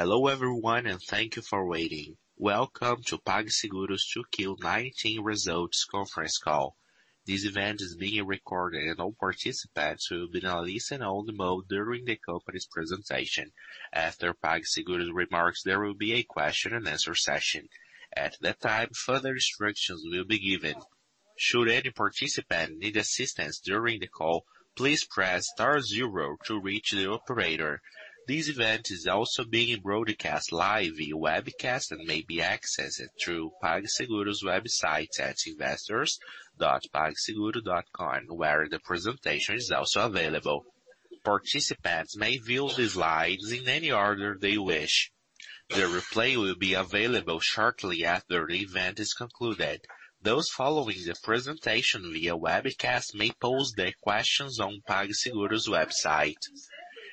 Hello everyone, thank you for waiting. Welcome to PagSeguro's 2Q19 Results Conference Call. This event is being recorded and all participants will be in a listen-only mode during the company's presentation. After PagSeguro's remarks, there will be a question and answer session. At that time, further instructions will be given. Should any participant need assistance during the call, please press star zero to reach the operator. This event is also being broadcast live via webcast and may be accessed through PagSeguro's website at investors.pagseguro.com, where the presentation is also available. Participants may view the slides in any order they wish. The replay will be available shortly after the event is concluded. Those following the presentation via webcast may pose their questions on PagSeguro's website.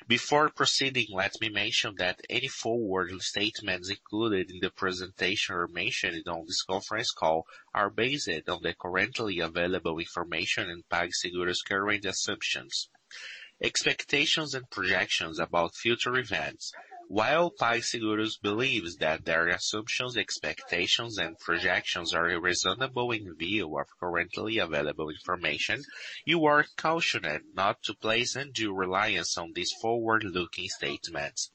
Before proceeding, let me mention that any forward-looking statements included in the presentation or mentioned on this conference call are based on the currently available information and PagSeguro's current assumptions, expectations, and projections about future events. While PagSeguro believes that their assumptions, expectations, and projections are reasonable in view of currently available information, you are cautioned not to place undue reliance on these forward-looking statements.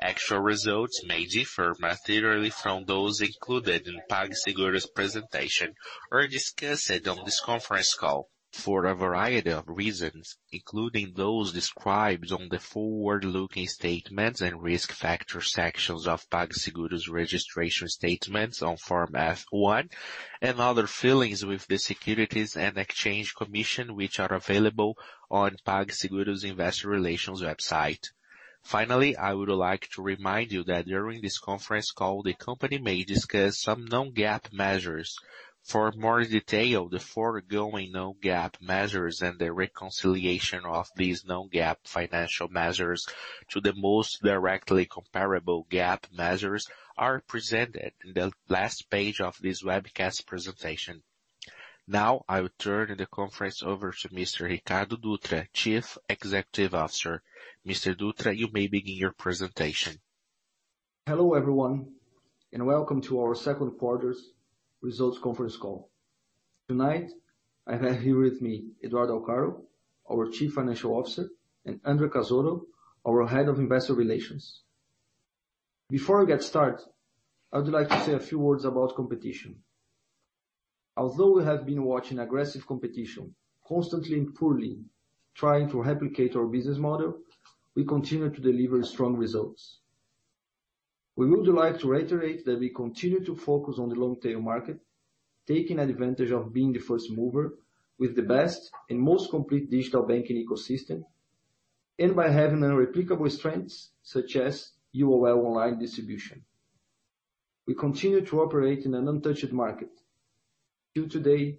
Actual results may differ materially from those included in PagSeguro's presentation or discussed on this conference call for a variety of reasons, including those described on the forward-looking statements and risk factors sections of PagSeguro's registration statements on Form S-1 and other filings with the Securities and Exchange Commission, which are available on PagSeguro's investor relations website. Finally, I would like to remind you that during this conference call, the company may discuss some non-GAAP measures. For more detail, the foregoing non-GAAP measures and the reconciliation of these non-GAAP financial measures to the most directly comparable GAAP measures are presented in the last page of this webcast presentation. Now, I will turn the conference over to Mr. Ricardo Dutra, Chief Executive Officer. Mr. Dutra, you may begin your presentation. Hello, everyone, and welcome to our second quarter's results conference call. Tonight, I have here with me Eduardo Alcaro, our chief financial officer, and Andre Cazotto, our head of investor relations. Before I get started, I would like to say a few words about competition. Although we have been watching aggressive competition constantly and poorly trying to replicate our business model, we continue to deliver strong results. We would like to reiterate that we continue to focus on the long-tail market, taking advantage of being the first mover with the best and most complete digital banking ecosystem, and by having irreplicable strengths such as UOL online distribution. We continue to operate in an untouched market. Till today,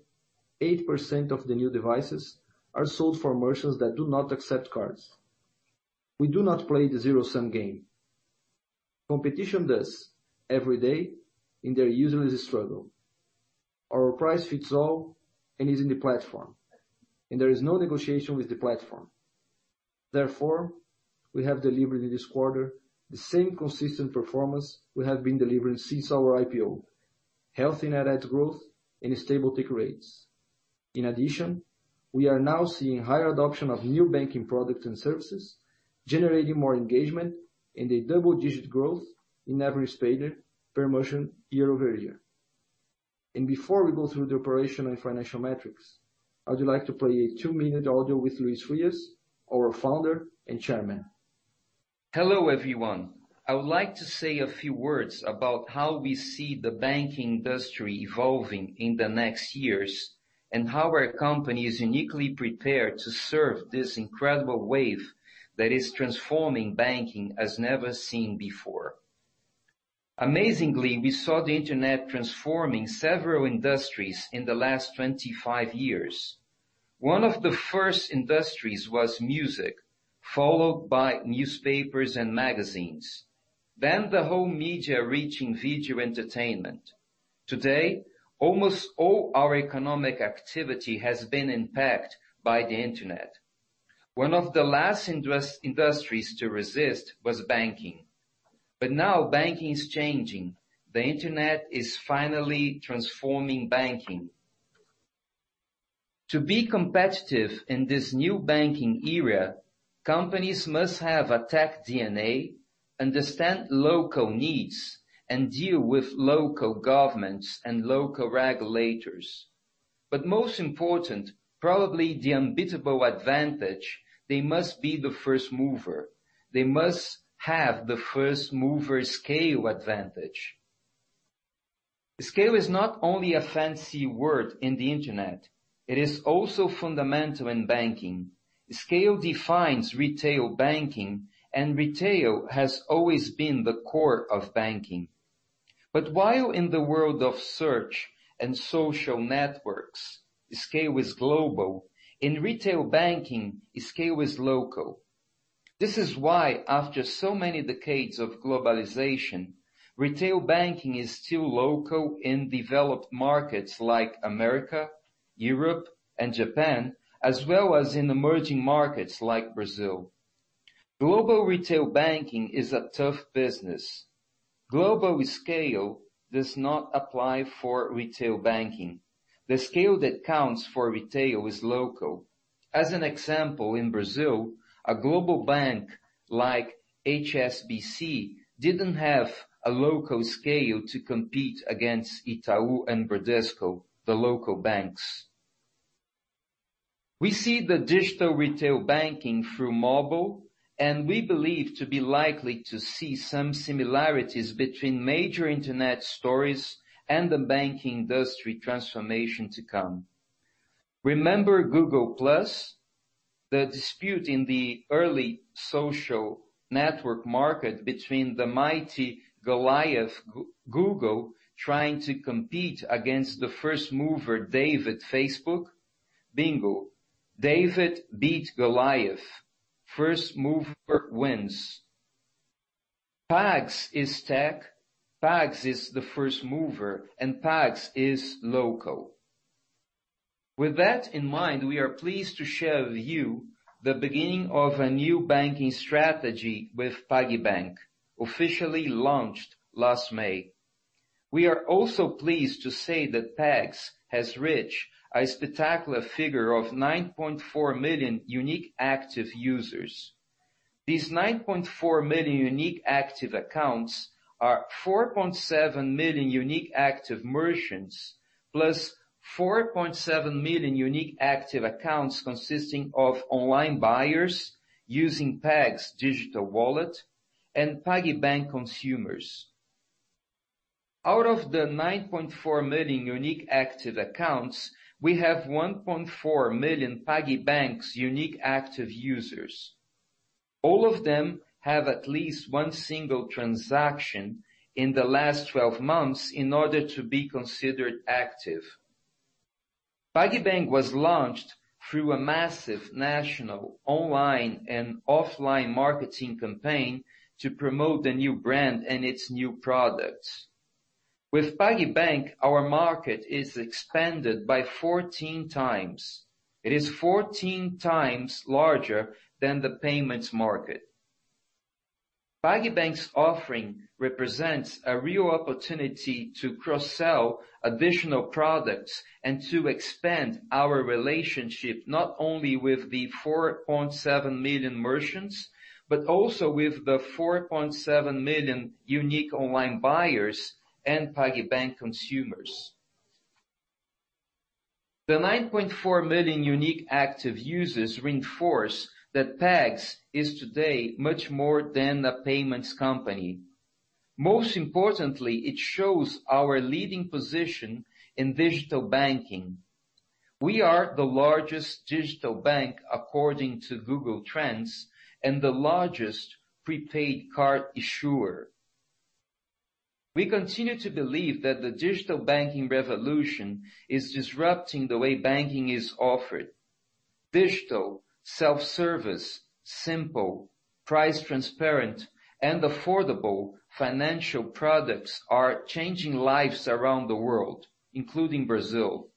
8% of the new devices are sold for merchants that do not accept cards. We do not play the zero-sum game. Competition does every day in their useless struggle. Our price fits all and is in the platform, and there is no negotiation with the platform. Therefore, we have delivered in this quarter the same consistent performance we have been delivering since our IPO, healthy net ad growth and stable take rates. In addition, we are now seeing higher adoption of new banking products and services, generating more engagement and a double-digit growth in average payer per merchant year-over-year. Before we go through the operational and financial metrics, I would like to play a two-minute audio with Luiz Frias, our Founder and Chairman. Hello, everyone. I would like to say a few words about how we see the banking industry evolving in the next years, and how our company is uniquely prepared to serve this incredible wave that is transforming banking as never seen before. Amazingly, we saw the internet transforming several industries in the last 25 years. One of the first industries was music, followed by newspapers and magazines, then the whole media reaching video entertainment. Today, almost all our economic activity has been impacted by the internet. One of the last industries to resist was banking. Now banking is changing. The internet is finally transforming banking. To be competitive in this new banking era, companies must have a tech DNA, understand local needs, and deal with local governments and local regulators. Most important, probably the unbeatable advantage, they must be the first mover. They must have the first mover scale advantage. Scale is not only a fancy word in the internet, it is also fundamental in banking. Scale defines retail banking, and retail has always been the core of banking. While in the world of search and social networks, scale is global. In retail banking, scale is local. This is why after so many decades of globalization, retail banking is still local in developed markets like America, Europe, and Japan, as well as in emerging markets like Brazil. Global retail banking is a tough business. Global scale does not apply for retail banking. The scale that counts for retail is local. As an example, in Brazil, a global bank like HSBC didn't have a local scale to compete against Itaú and Bradesco, the local banks. We see the digital retail banking through mobile, and we believe to be likely to see some similarities between major internet stories and the banking industry transformation to come. Remember Google+? The dispute in the early social network market between the mighty Goliath, Google, trying to compete against the first mover, David, Facebook? Bingo. David beat Goliath. First mover wins. PagS is tech, PagS is the first mover, and PagS is local. With that in mind, we are pleased to share with you the beginning of a new banking strategy with PagBank, officially launched last May. We are also pleased to say that PagS has reached a spectacular figure of 9.4 million unique active users. These 9.4 million unique active accounts are 4.7 million unique active merchants, plus 4.7 million unique active accounts consisting of online buyers using PagS digital wallet and PagBank consumers. Out of the 9.4 million unique active accounts, we have 1.4 million PagBank's unique active users. All of them have at least one single transaction in the last 12 months in order to be considered active. PagBank was launched through a massive national online and offline marketing campaign to promote the new brand and its new products. With PagBank, our market is expanded by 14 times. It is 14 times larger than the payments market. PagBank's offering represents a real opportunity to cross-sell additional products and to expand our relationship not only with the 4.7 million merchants, but also with the 4.7 million unique online buyers and PagBank consumers. The 9.4 million unique active users reinforce that PagSeguro is today much more than a payments company. Most importantly, it shows our leading position in digital banking. We are the largest digital bank, according to Google Trends, and the largest prepaid card issuer. We continue to believe that the digital banking revolution is disrupting the way banking is offered. Digital, self-service, simple, price transparent, and affordable financial products are changing lives around the world, including Brazil.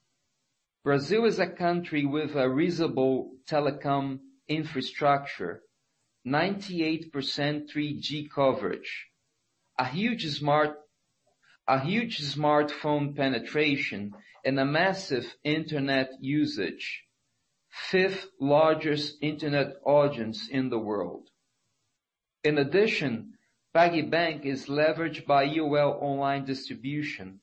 Brazil is a country with a reasonable telecom infrastructure, 98% 3G coverage, a huge smartphone penetration, and a massive internet usage. fifth largest internet audience in the world. In addition, PagBank is leveraged by UOL online distribution.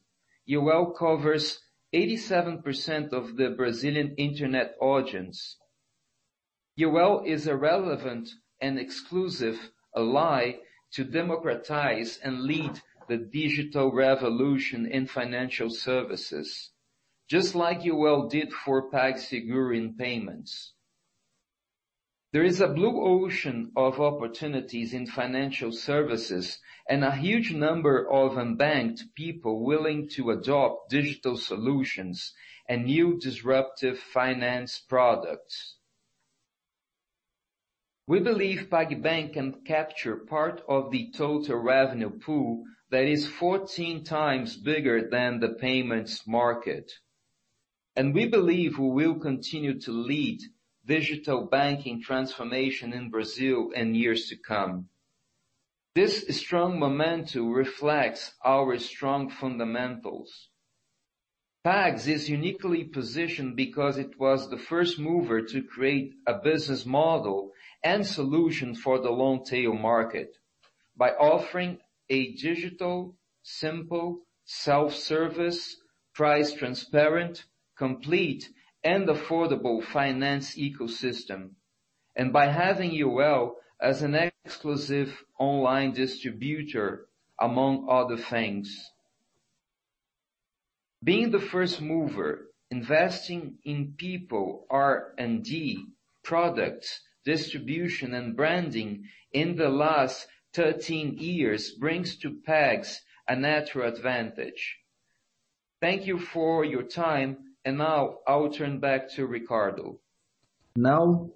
UOL covers 87% of the Brazilian internet audience. UOL is a relevant and exclusive ally to democratize and lead the digital revolution in financial services, just like UOL did for PagSeguro in payments. There is a blue ocean of opportunities in financial services and a huge number of unbanked people willing to adopt digital solutions and new disruptive finance products. We believe PagBank can capture part of the total revenue pool that is 14 times bigger than the payments market. We believe we will continue to lead digital banking transformation in Brazil in years to come. This strong momentum reflects our strong fundamentals. PagSeguro is uniquely positioned because it was the first mover to create a business model and solution for the long tail market by offering a digital, simple, self-service, price transparent, complete, and affordable finance ecosystem. By having UOL as an exclusive online distributor, among other things. Being the first mover, investing in people, R&D, products, distribution, and branding in the last 13 years brings to PagSeguro a natural advantage. Thank you for your time, and now I will turn back to Ricardo. Now,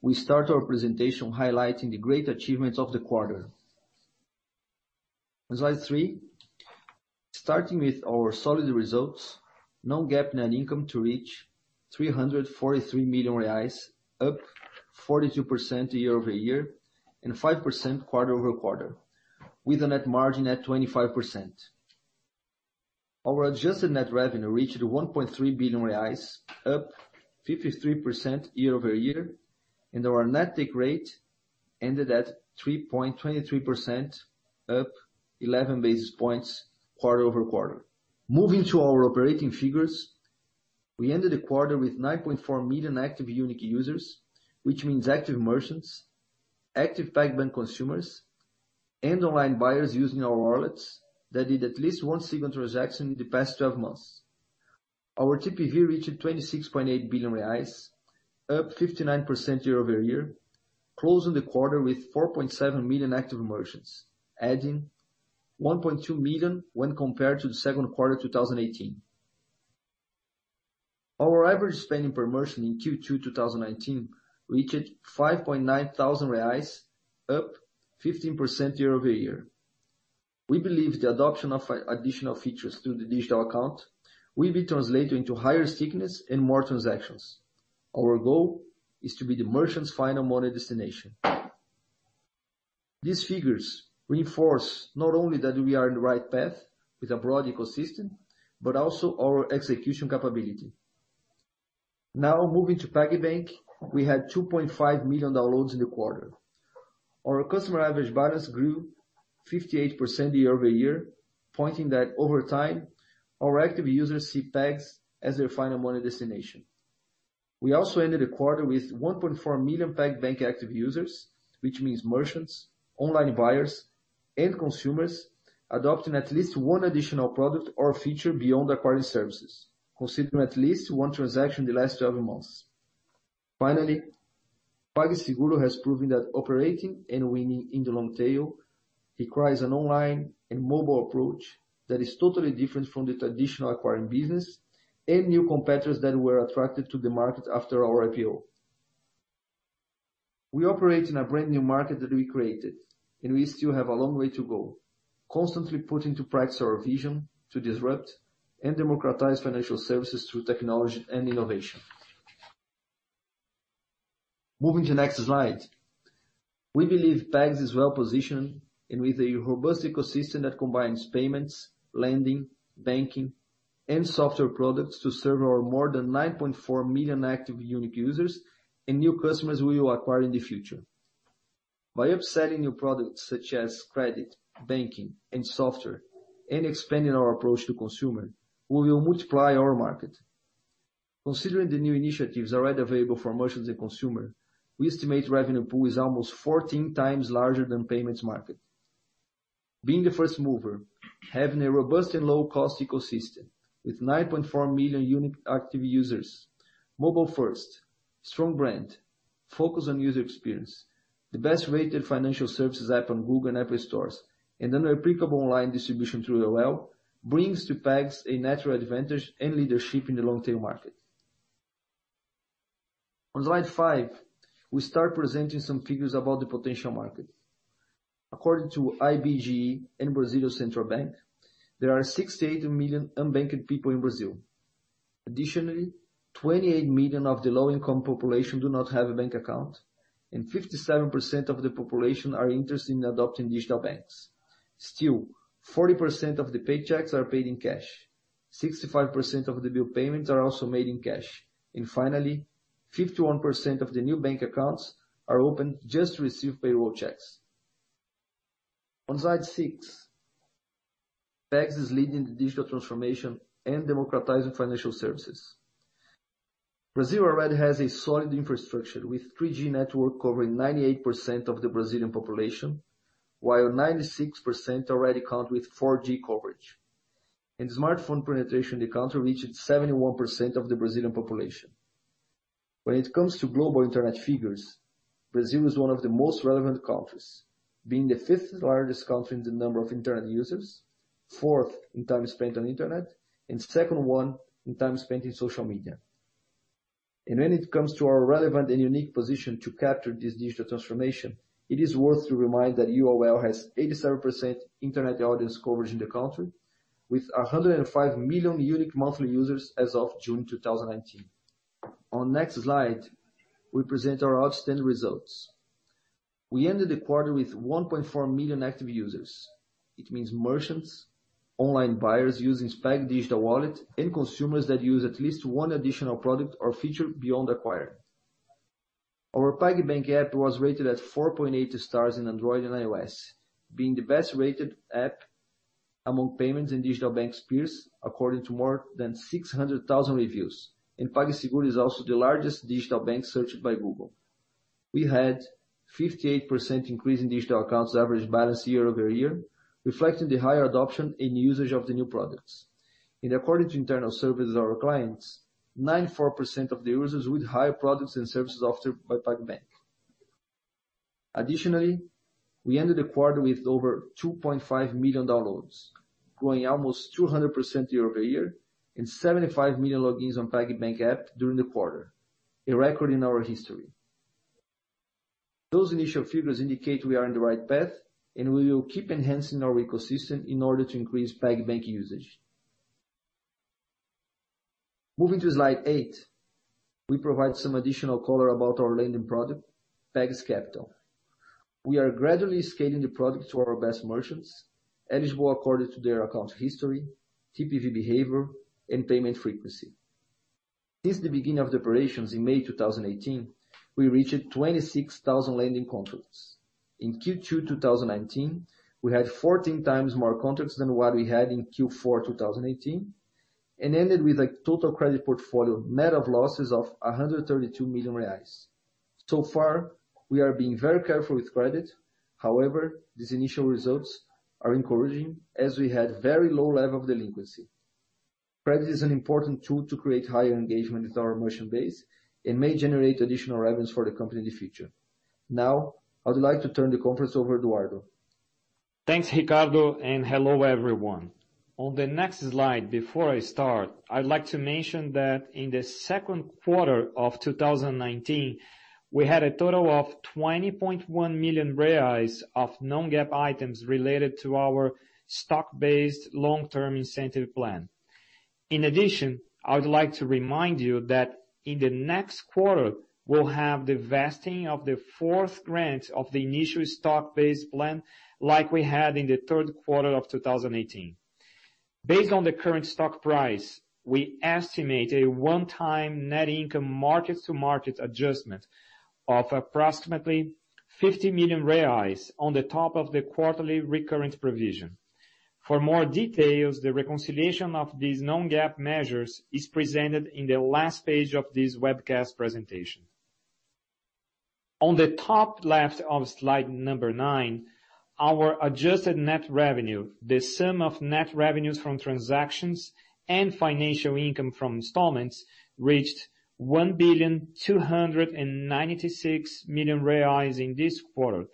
we start our presentation highlighting the great achievements of the quarter. On slide three, starting with our solid results, non-GAAP net income to reach 343 million reais, up 42% year-over-year and 5% quarter-over-quarter, with a net margin at 25%. Our adjusted net revenue reached 1.3 billion reais, up 53% year-over-year, and our net take rate ended at 3.23%, up 11 basis points quarter-over-quarter. Moving to our operating figures, we ended the quarter with 9.4 million active unique users, which means active merchants, active PagBank consumers, and online buyers using our wallets that did at least one segment transaction in the past 12 months. Our TPV reached 26.8 billion reais, up 59% year-over-year, closing the quarter with 4.7 million active merchants, adding 1.2 million when compared to the second quarter 2018. Our average spending per merchant in Q2 2019 reached 5.9 thousand reais, up 15% year-over-year. We believe the adoption of additional features through the digital account will be translating to higher stickiness and more transactions. Our goal is to be the merchant's final money destination. These figures reinforce not only that we are in the right path with a broad ecosystem, but also our execution capability. Moving to PagBank, we had 2.5 million downloads in the quarter. Our customer average balance grew 58% year-over-year, pointing that over time, our active users see Pag as their final money destination. We also ended the quarter with 1.4 million PagBank active users, which means merchants, online buyers, and consumers adopting at least one additional product or feature beyond acquiring services, considering at least one transaction in the last 12 months. Finally, PagSeguro has proven that operating and winning in the long tail requires an online and mobile approach that is totally different from the traditional acquiring business and new competitors that were attracted to the market after our IPO. We operate in a brand-new market that we created. We still have a long way to go, constantly putting to practice our vision to disrupt and democratize financial services through technology and innovation. Moving to the next slide. We believe Pag is well-positioned and with a robust ecosystem that combines payments, lending, banking, and software products to serve our more than 9.4 million active unique users and new customers we will acquire in the future. By offering new products such as credit, banking, and software, and expanding our approach to consumer, we will multiply our market. Considering the new initiatives already available for merchants and consumer, we estimate revenue pool is almost 14 times larger than payments market. Being the first mover, having a robust and low-cost ecosystem with 9.4 million unique active users, mobile first, strong brand, focus on user experience, the best-rated financial services app on Google and Apple stores, and unreplicable online distribution through UOL brings to PagSeguro a natural advantage and leadership in the long-tail market. On slide five, we start presenting some figures about the potential market. According to IBGE and Central Bank of Brazil, there are 68 million unbanked people in Brazil. Additionally, 28 million of the low-income population do not have a bank account, and 57% of the population are interested in adopting digital banks. Still, 40% of the paychecks are paid in cash. 65% of the bill payments are also made in cash. Finally, 51% of the new bank accounts are opened just to receive payroll checks. On slide six, Pag is leading the digital transformation and democratizing financial services. Brazil already has a solid infrastructure, with 3G network covering 98% of the Brazilian population, while 96% already account with 4G coverage. Smartphone penetration in the country reached 71% of the Brazilian population. When it comes to global internet figures, Brazil is one of the most relevant countries, being the fifth-largest country in the number of internet users, fourth in time spent on internet, and second one in time spent in social media. When it comes to our relevant and unique position to capture this digital transformation, it is worth to remind that UOL has 87% internet audience coverage in the country, with 105 million unique monthly users as of June 2019. On next slide, we present our outstanding results. We ended the quarter with 1.4 million active users. It means merchants, online buyers using Pag digital wallet, and consumers that use at least one additional product or feature beyond acquire. Our PagBank app was rated at 4.8 stars in Android and iOS, being the best-rated app among payments and digital bank peers according to more than 600,000 reviews. PagSeguro is also the largest digital bank searched by Google. We had 58% increase in digital accounts average balance year-over-year, reflecting the higher adoption and usage of the new products. According to internal surveys of our clients, 94% of the users with higher products and services offered by PagBank. Additionally, we ended the quarter with over 2.5 million downloads, growing almost 200% year-over-year and 75 million logins on PagBank app during the quarter, a record in our history. Those initial figures indicate we are on the right path, and we will keep enhancing our ecosystem in order to increase PagBank usage. Moving to slide eight, we provide some additional color about our lending product, PagBank Capital. We are gradually scaling the product to our best merchants, eligible according to their account history, TPV behavior, and payment frequency. Since the beginning of the operations in May 2018, we reached 26,000 lending contracts. In Q2 2019, we had 14 times more contracts than what we had in Q4 2018, and ended with a total credit portfolio net of losses of 132 million reais. So far, we are being very careful with credit. However, these initial results are encouraging as we had very low level of delinquency. Credit is an important tool to create higher engagement with our merchant base and may generate additional revenues for the company in the future. Now, I would like to turn the conference over to Eduardo. Thanks, Ricardo, and hello, everyone. On the next slide, before I start, I'd like to mention that in the second quarter of 2019, we had a total of 20.1 million of non-GAAP items related to our stock-based long-term incentive plan. In addition, I would like to remind you that in the next quarter, we'll have the vesting of the fourth grant of the initial stock-based plan like we had in the third quarter of 2018. Based on the current stock price, we estimate a one-time net income market-to-market adjustment of approximately 50 million reais on the top of the quarterly recurrent provision. For more details, the reconciliation of these non-GAAP measures is presented in the last page of this webcast presentation. On the top left of slide number nine, our adjusted net revenue, the sum of net revenues from transactions and financial income from installments reached 1.296 billion in this quarter,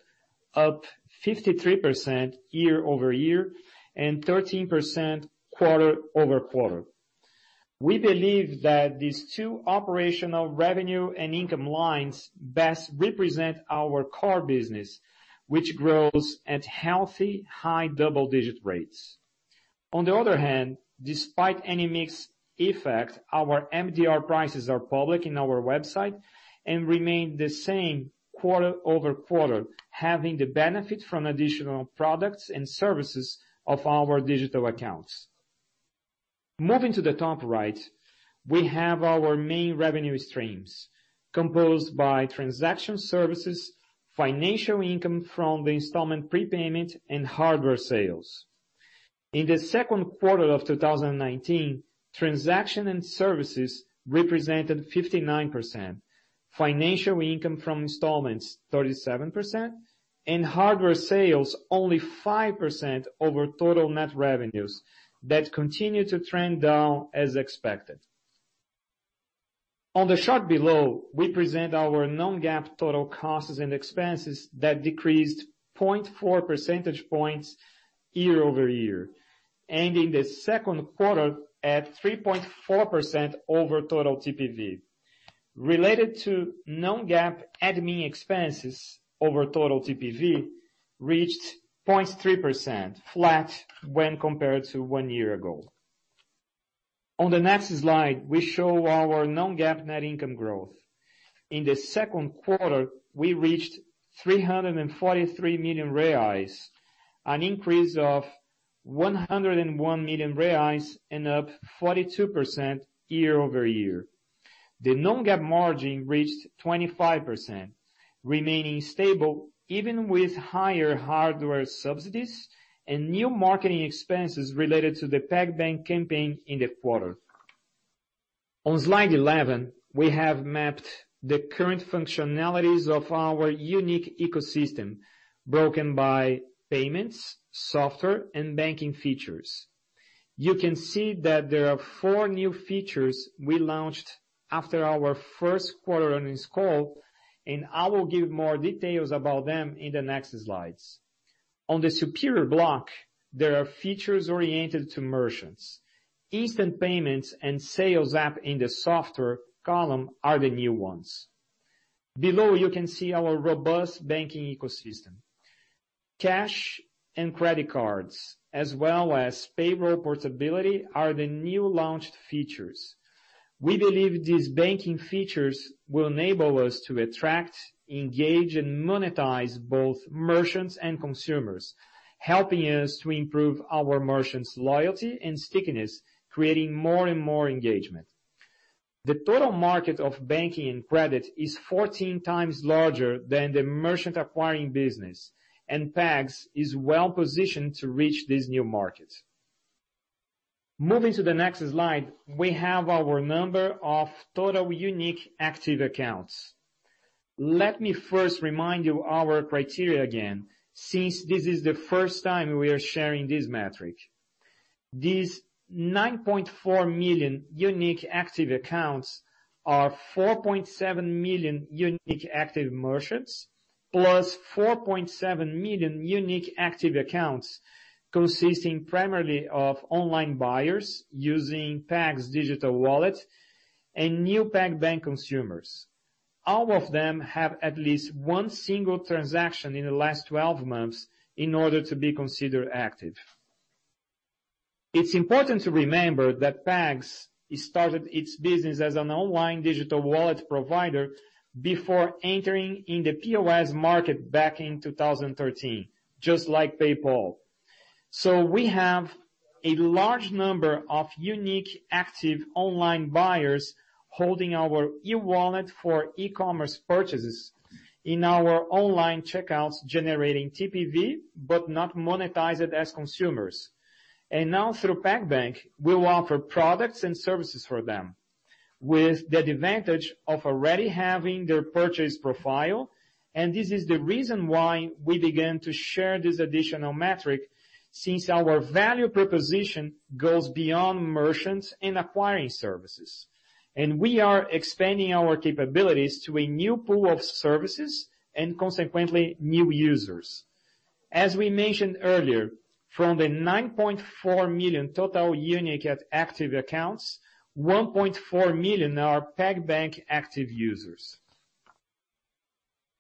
up 53% year-over-year and 13% quarter-over-quarter. We believe that these two operational revenue and income lines best represent our core business, which grows at healthy, high double-digit rates. On the other hand, despite any mix effect, our MDR prices are public in our website and remain the same quarter-over-quarter, having the benefit from additional products and services of our digital accounts. Moving to the top right, we have our main revenue streams composed by transaction services, financial income from the installment prepayment, and hardware sales. In the second quarter of 2019, transaction and services represented 59%, financial income from installments 37%, and hardware sales only 5% over total net revenues that continue to trend down as expected. On the chart below, we present our non-GAAP total costs and expenses that decreased 0.4 percentage points year-over-year, ending the second quarter at 3.4% over total TPV. Related to non-GAAP admin expenses over total TPV reached 0.3%, flat when compared to one year ago. On the next slide, we show our non-GAAP net income growth. In the second quarter, we reached 343 million reais, an increase of 101 million reais and up 42% year-over-year. The non-GAAP margin reached 25%, remaining stable even with higher hardware subsidies and new marketing expenses related to the PagBank campaign in the quarter. On slide 11, we have mapped the current functionalities of our unique ecosystem broken by payments, software, and banking features. You can see that there are four new features we launched after our first quarter earnings call, and I will give more details about them in the next slides. On the superior block, there are features oriented to merchants. Instant payments and PagVendas in the software column are the new ones. Below, you can see our robust banking ecosystem. Cash and credit cards, as well as payroll portability are the new launched features. We believe these banking features will enable us to attract, engage, and monetize both merchants and consumers. Helping us to improve our merchants' loyalty and stickiness, creating more and more engagement. The total market of banking and credit is 14 times larger than the merchant acquiring business. Pag is well-positioned to reach this new market. Moving to the next slide, we have our number of total unique active accounts. Let me first remind you our criteria again, since this is the first time we are sharing this metric. These 9.4 million unique active accounts are 4.7 million unique active merchants, plus 4.7 million unique active accounts consisting primarily of online buyers using PagSeguro's digital wallet and new PagBank consumers. All of them have at least one single transaction in the last 12 months in order to be considered active. It's important to remember that PagSeguro started its business as an online digital wallet provider before entering the POS market back in 2013, just like PayPal. We have a large number of unique active online buyers holding our e-wallet for e-commerce purchases in our online checkouts, generating TPV, but not monetized as consumers. Now through PagBank, we will offer products and services for them with the advantage of already having their purchase profile. This is the reason why we began to share this additional metric since our value proposition goes beyond merchants and acquiring services. We are expanding our capabilities to a new pool of services and consequently new users. As we mentioned earlier, from the 9.4 million total unique active accounts, 1.4 million are PagBank active users.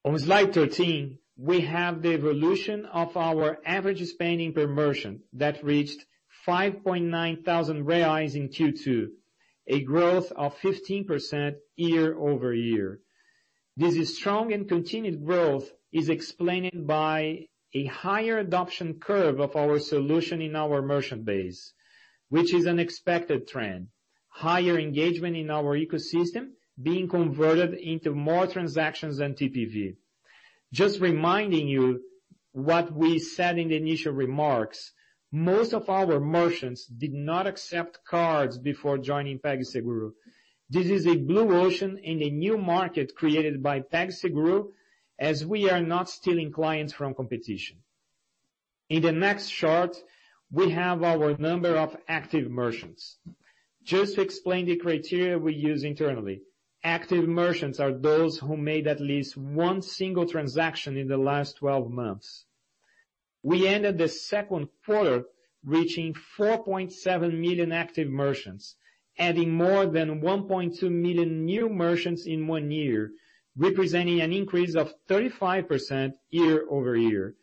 On slide 13, we have the evolution of our average spending per merchant that reached 5.9 thousand reais in Q2, a growth of 15% year-over-year. This strong and continued growth is explained by a higher adoption curve of our solution in our merchant base, which is an expected trend. Higher engagement in our ecosystem being converted into more transactions than TPV. Just reminding you what we said in the initial remarks, most of our merchants did not accept cards before joining PagSeguro. This is a blue ocean and a new market created by PagSeguro, as we are not stealing clients from competition. In the next chart, we have our number of active merchants. Just to explain the criteria we use internally. Active merchants are those who made at least one single transaction in the last 12 months. We ended the second quarter reaching 4.7 million active merchants, adding more than 1.2 million new merchants in one year, representing an increase of 35% year-over-year.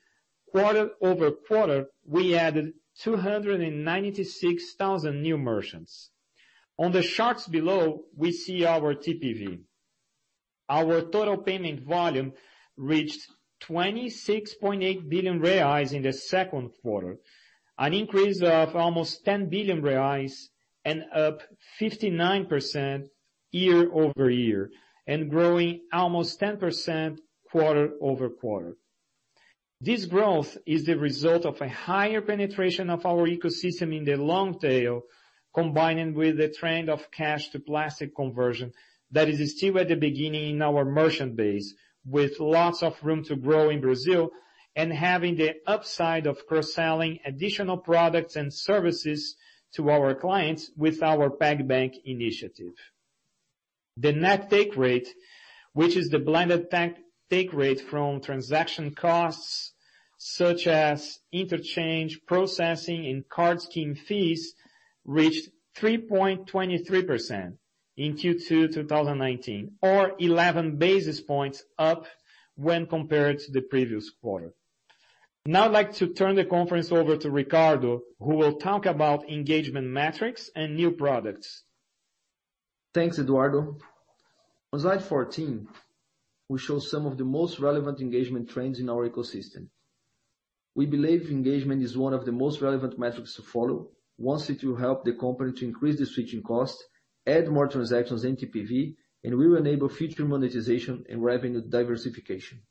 Quarter-over-quarter, we added 296,000 new merchants. On the charts below, we see our TPV. Our total payment volume reached 26.8 billion reais in the second quarter, an increase of almost 10 billion reais and up 59% year-over-year and growing almost 10% quarter-over-quarter. This growth is the result of a higher penetration of our ecosystem in the long tail, combining with the trend of cash to plastic conversion that is still at the beginning in our merchant base, with lots of room to grow in Brazil and having the upside of cross-selling additional products and services to our clients with our PagBank initiative. The net take rate, which is the blended take rate from transaction costs such as interchange, processing, and card scheme fees, reached 3.23% in Q2 2019, or 11 basis points up when compared to the previous quarter. I'd like to turn the conference over to Ricardo, who will talk about engagement metrics and new products. Thanks, Eduardo. On slide 14, we show some of the most relevant engagement trends in our ecosystem. We believe engagement is one of the most relevant metrics to follow. One, since it will help the company to increase the switching cost, add more transactions and TPV, and we will enable future monetization and revenue diversification.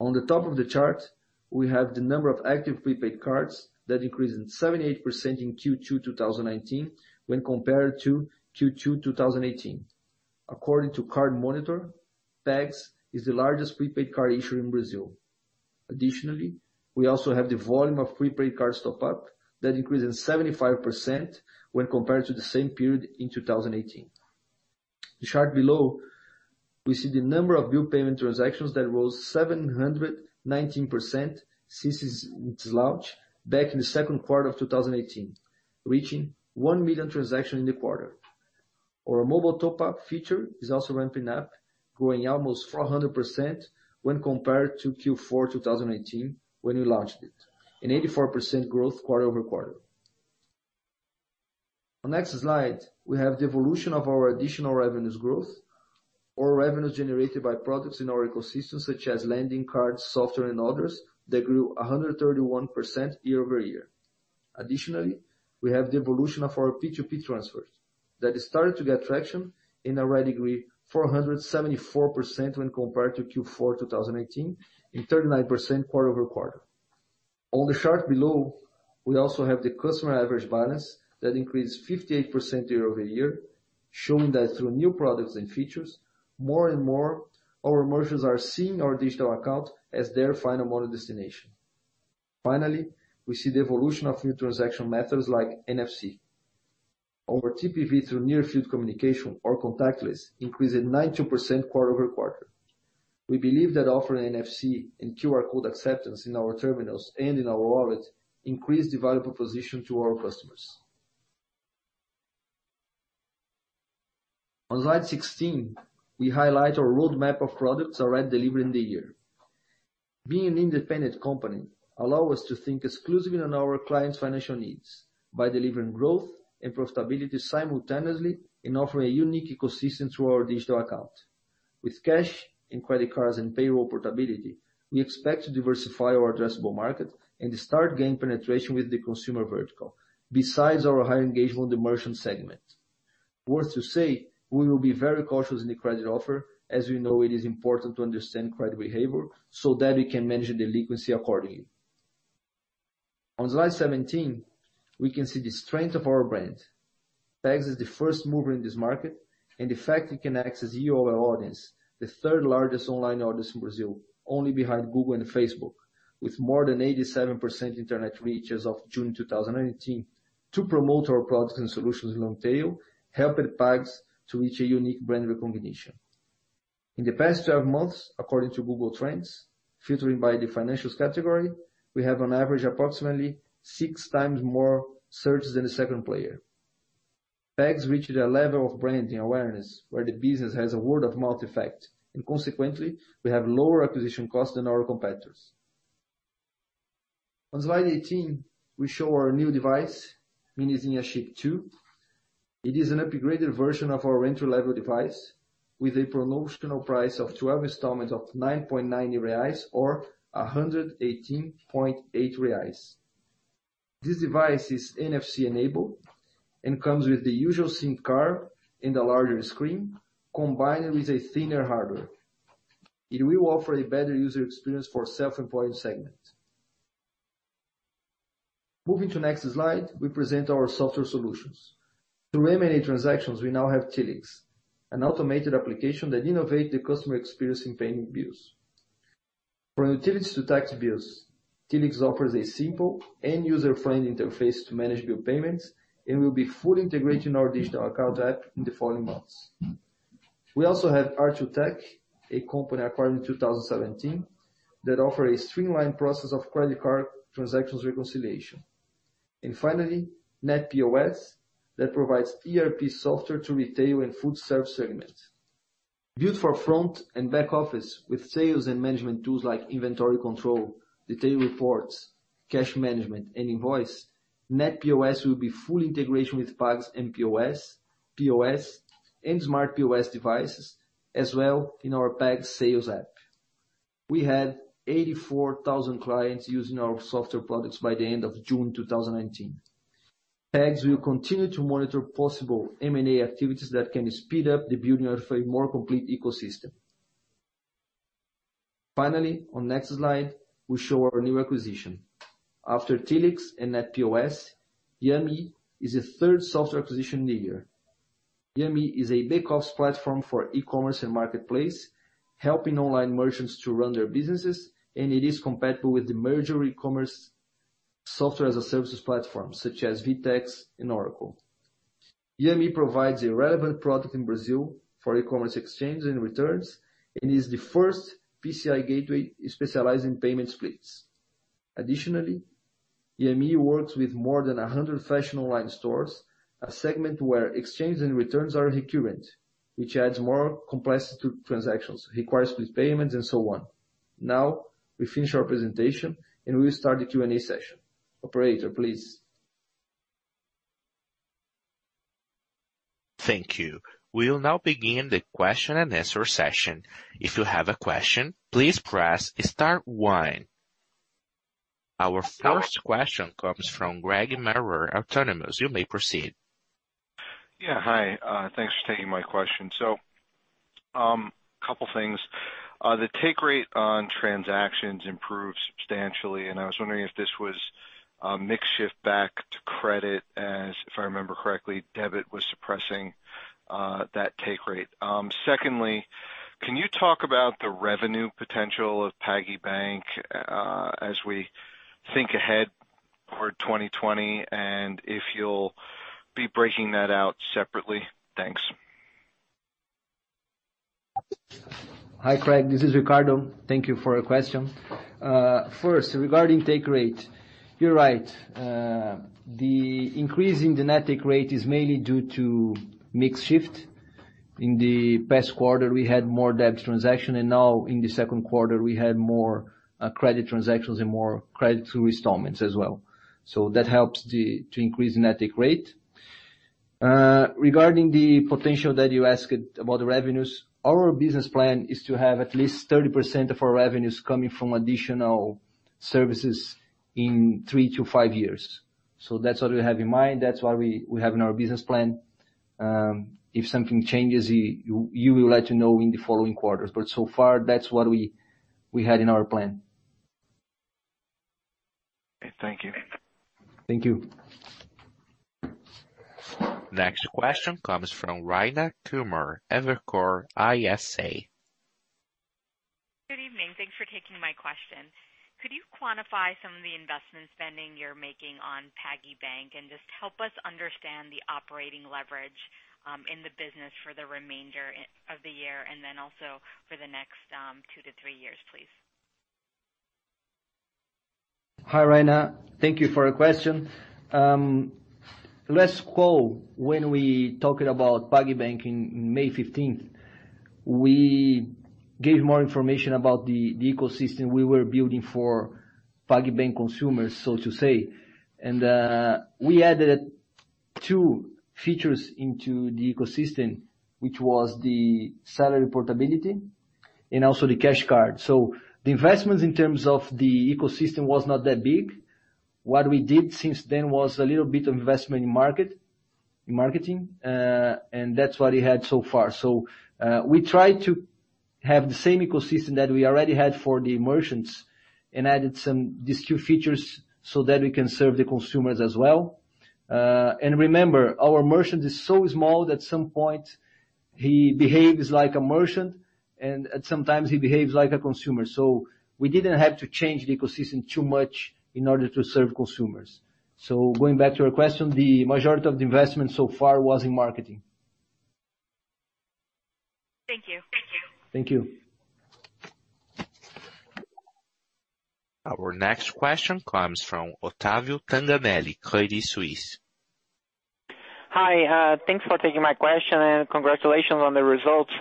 On the top of the chart, we have the number of active prepaid cards that increased 78% in Q2 2019 when compared to Q2 2018. According to CardMonitor, PagSeguro's is the largest prepaid card issuer in Brazil. Additionally, we also have the volume of prepaid card top-up that increased 75% when compared to the same period in 2018. The chart below, we see the number of bill payment transactions that rose 719% since its launch back in the second quarter of 2018, reaching 1 million transactions in the quarter. Our mobile top-up feature is also ramping up, growing almost 400% when compared to Q4 2018, when we launched it, an 84% growth quarter-over-quarter. On next slide, we have the evolution of our additional revenues growth. Our revenues generated by products in our ecosystem such as lending cards, software, and others that grew 131% year-over-year. Additionally, we have the evolution of our P2P transfers that started to get traction and already grew 474% when compared to Q4 2018 and 39% quarter-over-quarter. On the chart below, we also have the customer average balance that increased 58% year-over-year, showing that through new products and features, more and more our merchants are seeing our digital account as their final money destination. Finally, we see the evolution of new transaction methods like NFC. Our TPV through near-field communication or contactless, increased 92% quarter-over-quarter. We believe that offering NFC and QR code acceptance in our terminals and in our wallet increase the value proposition to our customers. On slide 16, we highlight our roadmap of products already delivered in the year. Being an independent company allow us to think exclusively on our clients' financial needs by delivering growth and profitability simultaneously, and offering a unique ecosystem through our digital account. With cash and credit cards and payroll portability, we expect to diversify our addressable market and start gain penetration with the consumer vertical. Besides our higher engagement in the merchant segment. Worth to say, we will be very cautious in the credit offer, as we know it is important to understand credit behavior so that we can manage the delinquency accordingly. On slide 17, we can see the strength of our brand. Pag is the first mover in this market, and the fact it can access UOL audience, the third largest online audience in Brazil, only behind Google and Facebook, with more than 87% internet reach as of June 2018. To promote our products and solutions in long tail, helping Pag to reach a unique brand recognition. In the past 12 months, according to Google Trends, filtering by the financials category, we have an average approximately six times more searches than the second player. Pag's reached a level of brand awareness where the business has a word of mouth effect. Consequently, we have lower acquisition cost than our competitors. On slide 18, we show our new device, Minizinha Chip 2. It is an upgraded version of our entry-level device with a promotional price of 12 installments of 9.90 reais or 118.80 reais. This device is NFC enabled and comes with the usual SIM card and a larger screen combined with a thinner hardware. It will offer a better user experience for self-employed segment. Moving to next slide, we present our software solutions. To M&A transactions, we now have Tilix, an automated application that innovate the customer experience in paying bills. From utilities to taxi bills, Tilix offers a simple and user-friendly interface to manage bill payments and will be fully integrated in our digital account app in the following months. We also have R2Tech, a company acquired in 2017, that offer a streamlined process of credit card transactions reconciliation. Finally, NetPOS, that provides ERP software to retail and food service segments. Built for front and back office with sales and management tools like inventory control, detailed reports, cash management, and invoice. NetPOS will be fully integrated with Pag's mPOS, POS, and Smart POS devices, as well in our PagVendas app. We had 84,000 clients using our software products by the end of June 2019. PagSeguro will continue to monitor possible M&A activities that can speed up the building of a more complete ecosystem. Finally, on next slide, we show our new acquisition. After Tilix and NetPOS, Yami is the third software acquisition this year. Yami is a big ops platform for e-commerce and marketplace, helping online merchants to run their businesses, and it is compatible with the major e-commerce software-as-a-service platform such as VTEX and Oracle. Yami provides a relevant product in Brazil for e-commerce exchange and returns, and is the first PCI gateway specialized in payment splits. Additionally, Yami works with more than 100 fashion online stores, a segment where exchange and returns are recurrent, which adds more complexity to transactions, requires split payments and so on. We finish our presentation, and we will start the Q&A session. Operator, please. Thank you. We'll now begin the question and answer session. If you have a question, please press star one. Our first question comes from Craig Maurer, Autonomous. You may proceed. Yeah. Hi. Thanks for taking my question. Couple things. The take rate on transactions improved substantially, and I was wondering if this was a mix shift back to credit as, if I remember correctly, debit was suppressing that take rate. Secondly, can you talk about the revenue potential of PagBank, as we think ahead for 2020, and if you'll be breaking that out separately? Thanks. Hi, Craig. This is Ricardo. Thank you for your question. First, regarding take rate. You're right. The increase in the net take rate is mainly due to mix shift. In the past quarter, we had more debit transaction, and now in the second quarter, we had more credit transactions and more credit through installments as well. That helps to increase net take rate. Regarding the potential that you asked about the revenues, our business plan is to have at least 30% of our revenues coming from additional services in three to five years. That's what we have in mind. That's what we have in our business plan. If something changes, you will let you know in the following quarters. So far, that's what we had in our plan. Okay, thank you. Thank you. Next question comes from Rayna Kumar, Evercore ISI. Thanks for taking my question. Could you quantify some of the investment spending you're making on PagBank? Just help us understand the operating leverage in the business for the remainder of the year, and then also for the next two to three years, please. Hi, Rayna. Thank you for your question. Let's call when we talked about PagBank in May 15th. We gave more information about the ecosystem we were building for PagBank consumers, so to say. We added two features into the ecosystem, which was the salary portability and also the cash card. The investments in terms of the ecosystem was not that big. What we did since then was a little bit of investment in marketing, and that's what we had so far. We tried to have the same ecosystem that we already had for the merchants and added these two features so that we can serve the consumers as well. Remember, our merchant is so small that at some point, he behaves like a merchant, and at some times he behaves like a consumer. We didn't have to change the ecosystem too much in order to serve consumers. Going back to your question, the majority of the investment so far was in marketing. Thank you. Thank you. Our next question comes from Otavio Tanganelli, Credit Suisse. Hi. Thanks for taking my question, and congratulations on the results.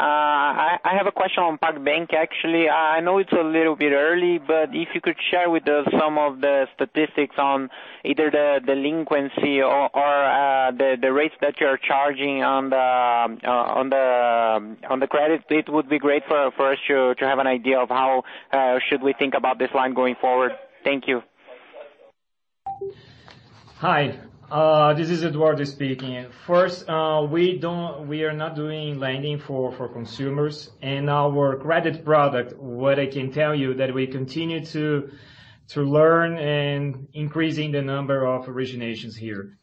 I have a question on PagBank, actually. I know it's a little bit early, but if you could share with us some of the statistics on either the delinquency or the rates that you're charging on the credit. It would be great for us to have an idea of how should we think about this line going forward. Thank you. Hi. This is Eduardo speaking. We are not doing lending for consumers and our credit product, what I can tell you that we continue to learn and increasing the number of originations here.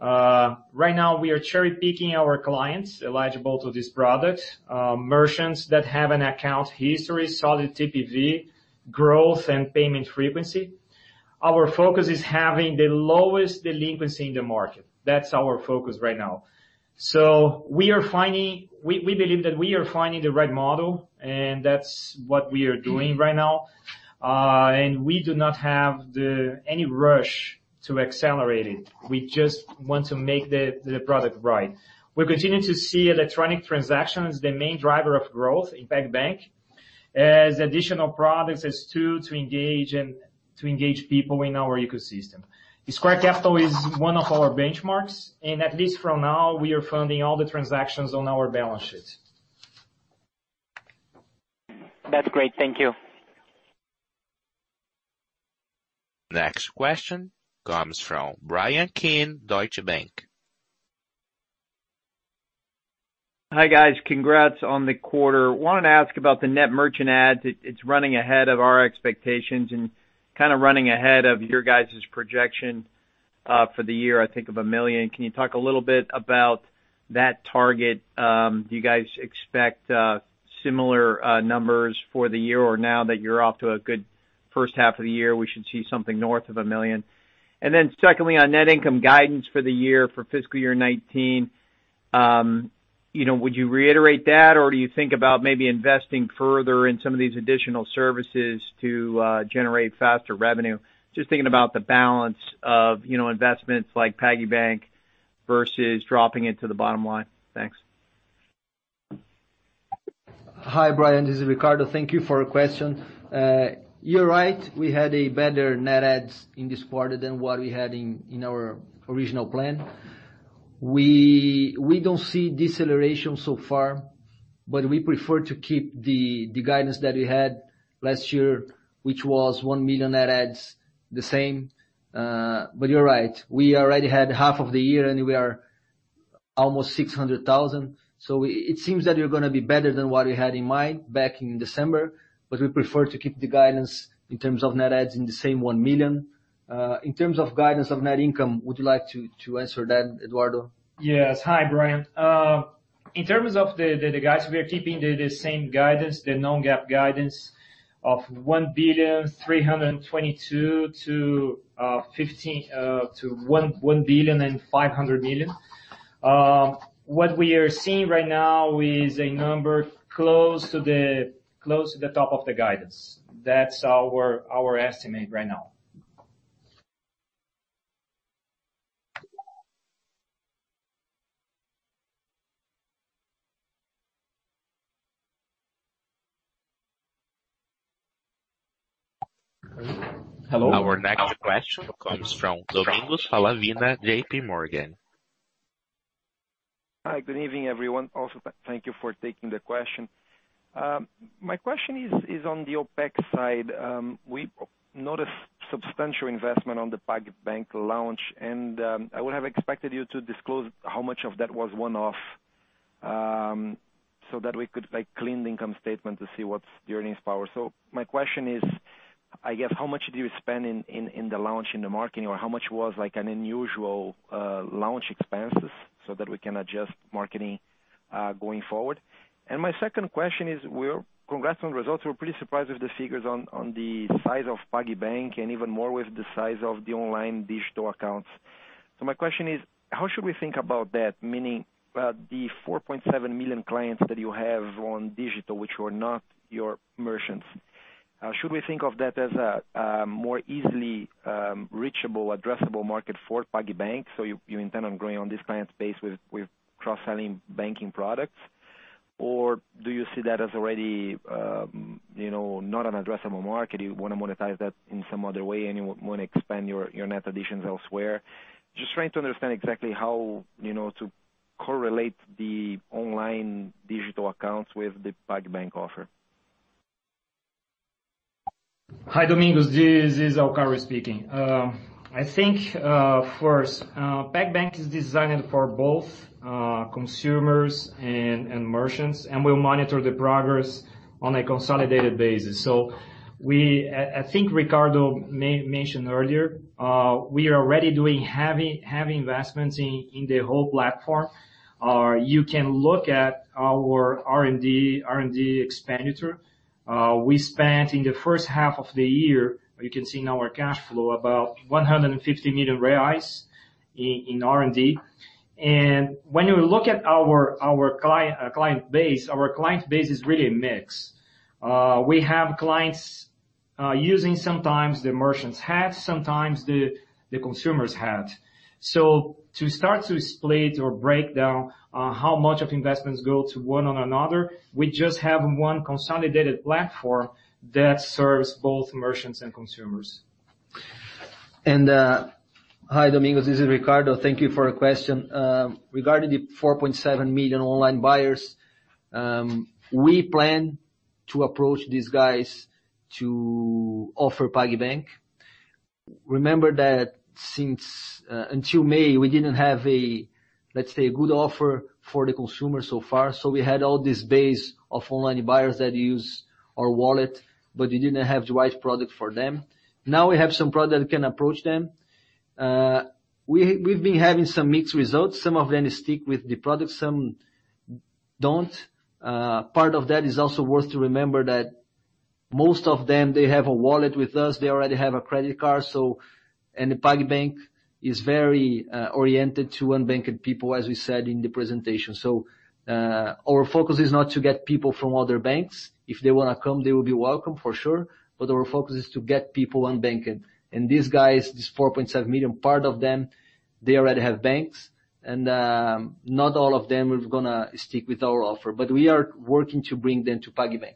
Right now, we are cherry-picking our clients eligible to this product. Merchants that have an account history, solid TPV, growth, and payment frequency. Our focus is having the lowest delinquency in the market. That's our focus right now. We believe that we are finding the right model, that's what we are doing right now. We do not have any rush to accelerate it. We just want to make the product right. We continue to see electronic transactions the main driver of growth in PagBank, as additional products is two, to engage people in our ecosystem. Square Capital is one of our benchmarks, and at least for now, we are funding all the transactions on our balance sheet. That's great. Thank you. Next question comes from Bryan Keane, Deutsche Bank. Hi, guys. Congrats on the quarter. Wanted to ask about the net merchant adds. It's running ahead of our expectations and kind of running ahead of your guys' projection for the year, I think of 1 million. Can you talk a little bit about that target? Do you guys expect similar numbers for the year? Now that you're off to a good first half of the year, we should see something north of 1 million. Secondly, on net income guidance for the year for FY 2019. Would you reiterate that, or do you think about maybe investing further in some of these additional services to generate faster revenue? Just thinking about the balance of investments like PagBank versus dropping it to the bottom line. Thanks. Hi, Bryan. This is Ricardo. Thank you for your question. You're right, we had a better net adds in this quarter than what we had in our original plan. We don't see deceleration so far, but we prefer to keep the guidance that we had last year, which was 1 million net adds the same. You're right, we already had half of the year and we are almost 600,000. It seems that we're gonna be better than what we had in mind back in December, but we prefer to keep the guidance in terms of net adds in the same 1 million. In terms of guidance of net income, would you like to answer that, Eduardo? Yes. Hi, Bryan. In terms of the guidance, we are keeping the same guidance, the non-GAAP guidance of 1.322 billion to 1.5 billion. What we are seeing right now is a number close to the top of the guidance. That's our estimate right now. Hello. Our next question comes from Domingos Falavina, JPMorgan. Hi, good evening, everyone. Thank you for taking the question. My question is on the OpEx side. We noticed substantial investment on the PagBank launch, and I would have expected you to disclose how much of that was one-off, so that we could clean the income statement to see what's the earnings power. My question is, I guess, how much do you spend in the launch, in the marketing, or how much was an unusual launch expenses so that we can adjust marketing going forward? My second question is, well, congrats on results. We're pretty surprised with the figures on the size of PagBank and even more with the size of the online digital accounts. My question is, how should we think about that? Meaning the 4.7 million clients that you have on digital, which were not your merchants. Should we think of that as a more easily reachable, addressable market for PagBank? You intend on growing on this client base with cross-selling banking products? Do you see that as already not an addressable market? You want to monetize that in some other way, and you want to expand your net additions elsewhere. Just trying to understand exactly how to correlate the online digital accounts with the PagBank offer. Hi, Domingos. This is Alcaro speaking. I think first, PagBank is designed for both consumers and merchants, and we'll monitor the progress on a consolidated basis. I think Ricardo mentioned earlier, we are already doing heavy investments in the whole platform. You can look at our R&D expenditure. We spent in the first half of the year, you can see in our cash flow, about 150 million reais in R&D. When you look at our client base, our client base is really a mix. We have clients using sometimes the merchants hat, sometimes the consumer's hat. To start to split or break down how much of investments go to one on another, we just have one consolidated platform that serves both merchants and consumers. Hi, Domingos. This is Ricardo. Thank you for your question. Regarding the 4.7 million online buyers, we plan to approach these guys to offer PagBank. Remember that since until May, we didn't have a, let's say, good offer for the consumer so far. We had all this base of online buyers that use our wallet, but we didn't have the right product for them. Now we have some product that can approach them. We've been having some mixed results. Some of them stick with the product, some don't. Part of that is also worth to remember that most of them, they have a wallet with us. They already have a credit card. PagBank is very oriented to unbanked people, as we said in the presentation. Our focus is not to get people from other banks. If they want to come, they will be welcome for sure. Our focus is to get people unbanked. These guys, this 4.7 million, part of them, they already have banks. Not all of them are going to stick with our offer. We are working to bring them to PagBank.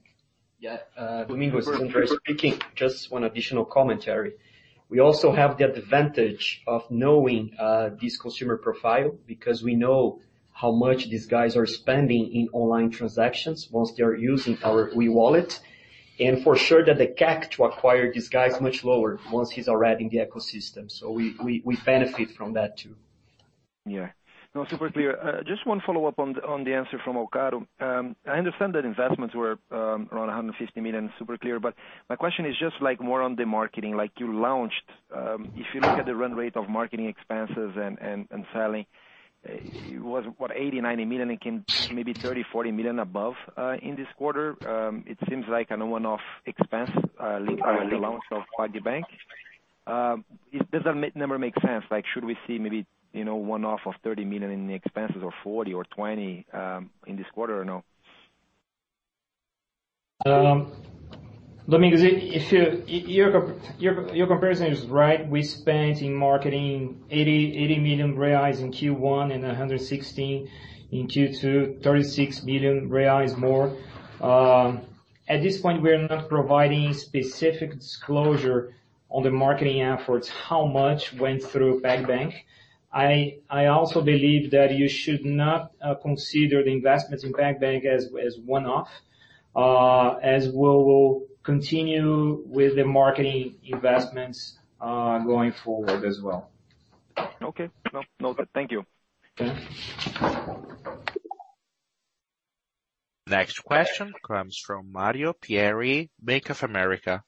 Domingos, this is Ricardo speaking. Just one additional commentary. We also have the advantage of knowing this consumer profile because we know how much these guys are spending in online transactions once they're using our e-wallet. For sure that the CAC to acquire this guy is much lower once he's already in the ecosystem. We benefit from that, too. Yeah. No, super clear. Just one follow-up on the answer from Ricardo. I understand that investments were around 150 million, super clear. My question is just more on the marketing. You launched. If you look at the run rate of marketing expenses and selling, it was what, 80 million, 90 million? It came maybe 30 million, 40 million above in this quarter. It seems like a one-off expense linked around the launch of PagBank. Does that number make sense? Should we see maybe one-off of 30 million in expenses or 40 or 20 in this quarter or no? Domingos, your comparison is right. We spent in marketing 80 million reais in Q1 and 116 in Q2, 36 million reais more. At this point, we're not providing specific disclosure on the marketing efforts, how much went through PagBank. I also believe that you should not consider the investments in PagBank as one-off, as we'll continue with the marketing investments going forward as well. Okay. No, all good. Thank you. Okay. Next question comes from Mario Pieri, Bank of America.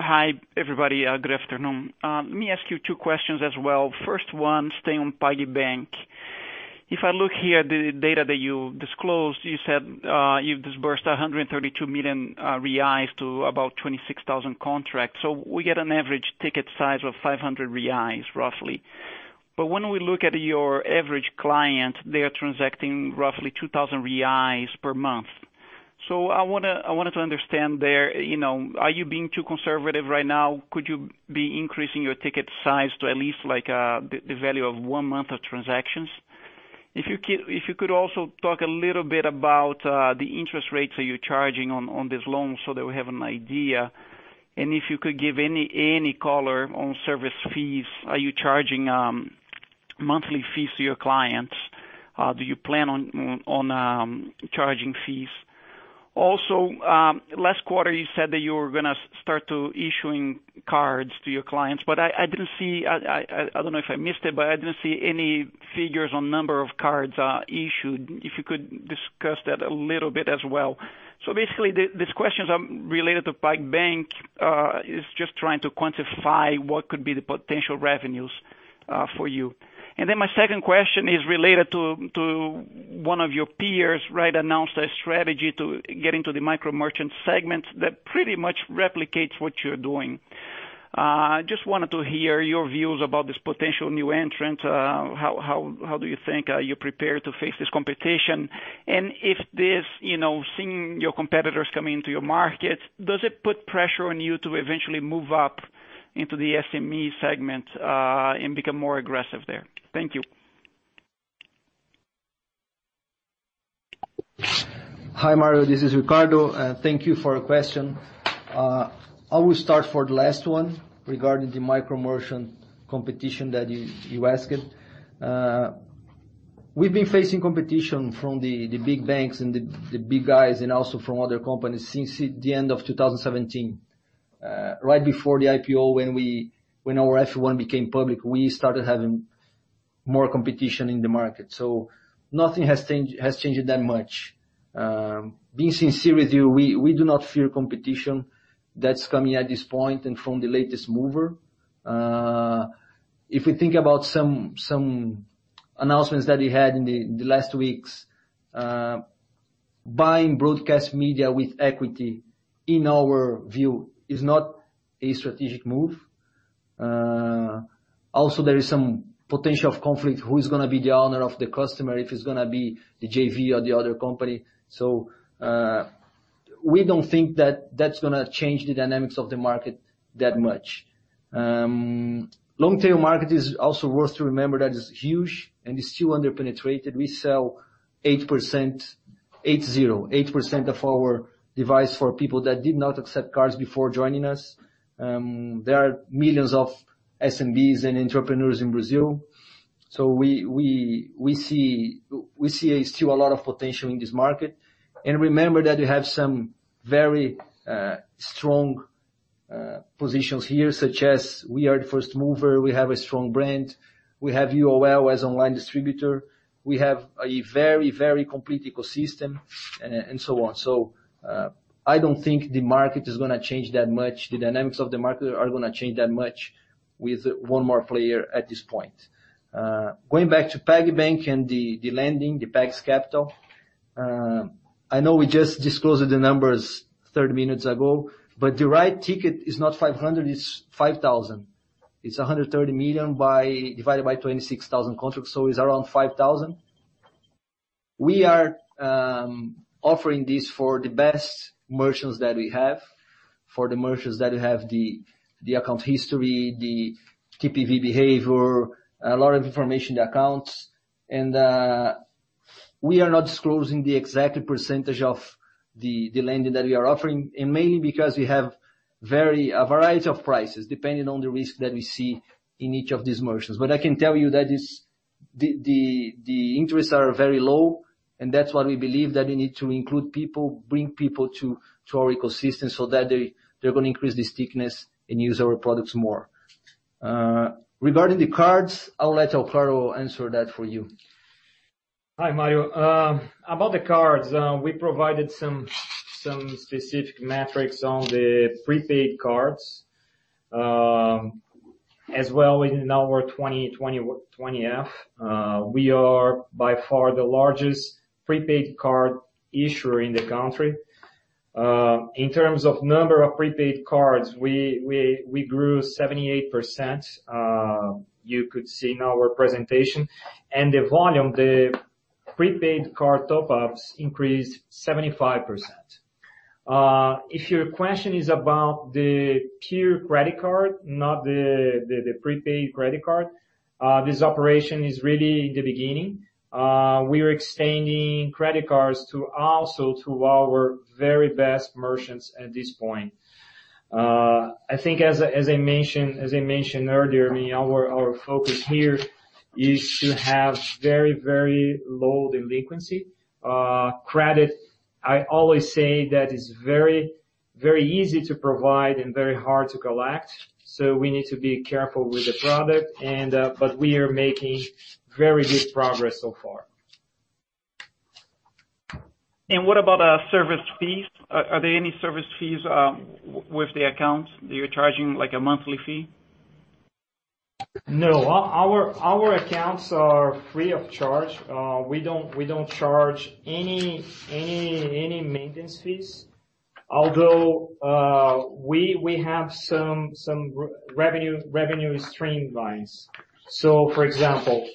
Hi, everybody. Good afternoon. Let me ask you two questions as well. First one, staying on PagBank. If I look here, the data that you disclosed, you said you've disbursed 132 million reais to about 26,000 contracts. We get an average ticket size of 500 reais, roughly. When we look at your average client, they are transacting roughly 2,000 reais per month. I wanted to understand there, are you being too conservative right now? Could you be increasing your ticket size to at least the value of one month of transactions? If you could also talk a little bit about the interest rates that you're charging on these loans so that we have an idea. If you could give any color on service fees. Are you charging monthly fees to your clients? Do you plan on charging fees? Last quarter you said that you were going to start issuing cards to your clients, but I didn't see, I don't know if I missed it, but I didn't see any figures on number of cards issued. If you could discuss that a little bit as well. Basically, these questions are related to PagBank, is just trying to quantify what could be the potential revenues for you. My second question is related to one of your peers announced a strategy to get into the micro merchant segment that pretty much replicates what you're doing. Just wanted to hear your views about this potential new entrant. How do you think you're prepared to face this competition? If this, seeing your competitors come into your market, does it put pressure on you to eventually move up into the SME segment and become more aggressive there? Thank you. Hi, Mario, this is Ricardo. Thank you for your question. I will start for the last one regarding the micro merchant competition that you asked. We've been facing competition from the big banks and the big guys and also from other companies since the end of 2017. Right before the IPO, when our F-1 became public, we started having more competition in the market. Nothing has changed that much. Being sincere with you, we do not fear competition that's coming at this point and from the latest mover. If we think about some announcements that we had in the last weeks, buying Bradesco with equity, in our view, is not a strategic move. Also there is some potential of conflict who's going to be the owner of the customer, if it's going to be the JV or the other company. We don't think that that's going to change the dynamics of the market that much. Long tail market is also worth to remember that it's huge and it's still under-penetrated. We sell 8% of our device for people that did not accept cards before joining us. There are millions of SMBs and entrepreneurs in Brazil. We see still a lot of potential in this market. And remember that we have some very strong positions here such as we are the first mover, we have a strong brand, we have UOL as online distributor, we have a very, very complete ecosystem, and so on. I don't think the market is going to change that much. The dynamics of the market are going to change that much with one more player at this point. Going back to PagBank and the lending, the PagBank Capital. I know we just disclosed the numbers 30 minutes ago, the right ticket is not 500, it's 5,000. It's 130 million divided by 26,000 contracts, it's around 5,000. We are offering this for the best merchants that we have, for the merchants that have the account history, the TPV behavior, a lot of information in the accounts. We are not disclosing the exact percentage of the lending that we are offering, mainly because we have a variety of prices, depending on the risk that we see in each of these merchants. I can tell you that the interests are very low, that's why we believe that we need to include people, bring people to our ecosystem that they're going to increase the stickiness and use our products more. Regarding the cards, I'll let Alvaro answer that for you. Hi, Mario. About the cards, we provided some specific metrics on the prepaid cards. As well in our 20-F, we are by far the largest prepaid card issuer in the country. In terms of number of prepaid cards, we grew 78%, you could see in our presentation. The volume, the prepaid card top-ups increased 75%. If your question is about the pure credit card, not the prepaid credit card, this operation is really in the beginning. We are extending credit cards also to our very best merchants at this point. I think as I mentioned earlier, our focus here is to have very, very low delinquency. Credit, I always say that it's very easy to provide and very hard to collect. We need to be careful with the product. We are making very good progress so far. What about service fees? Are there any service fees with the accounts that you're charging, like a monthly fee? No. Our accounts are free of charge. We don't charge any maintenance fees. We have some revenue streamlines. For example,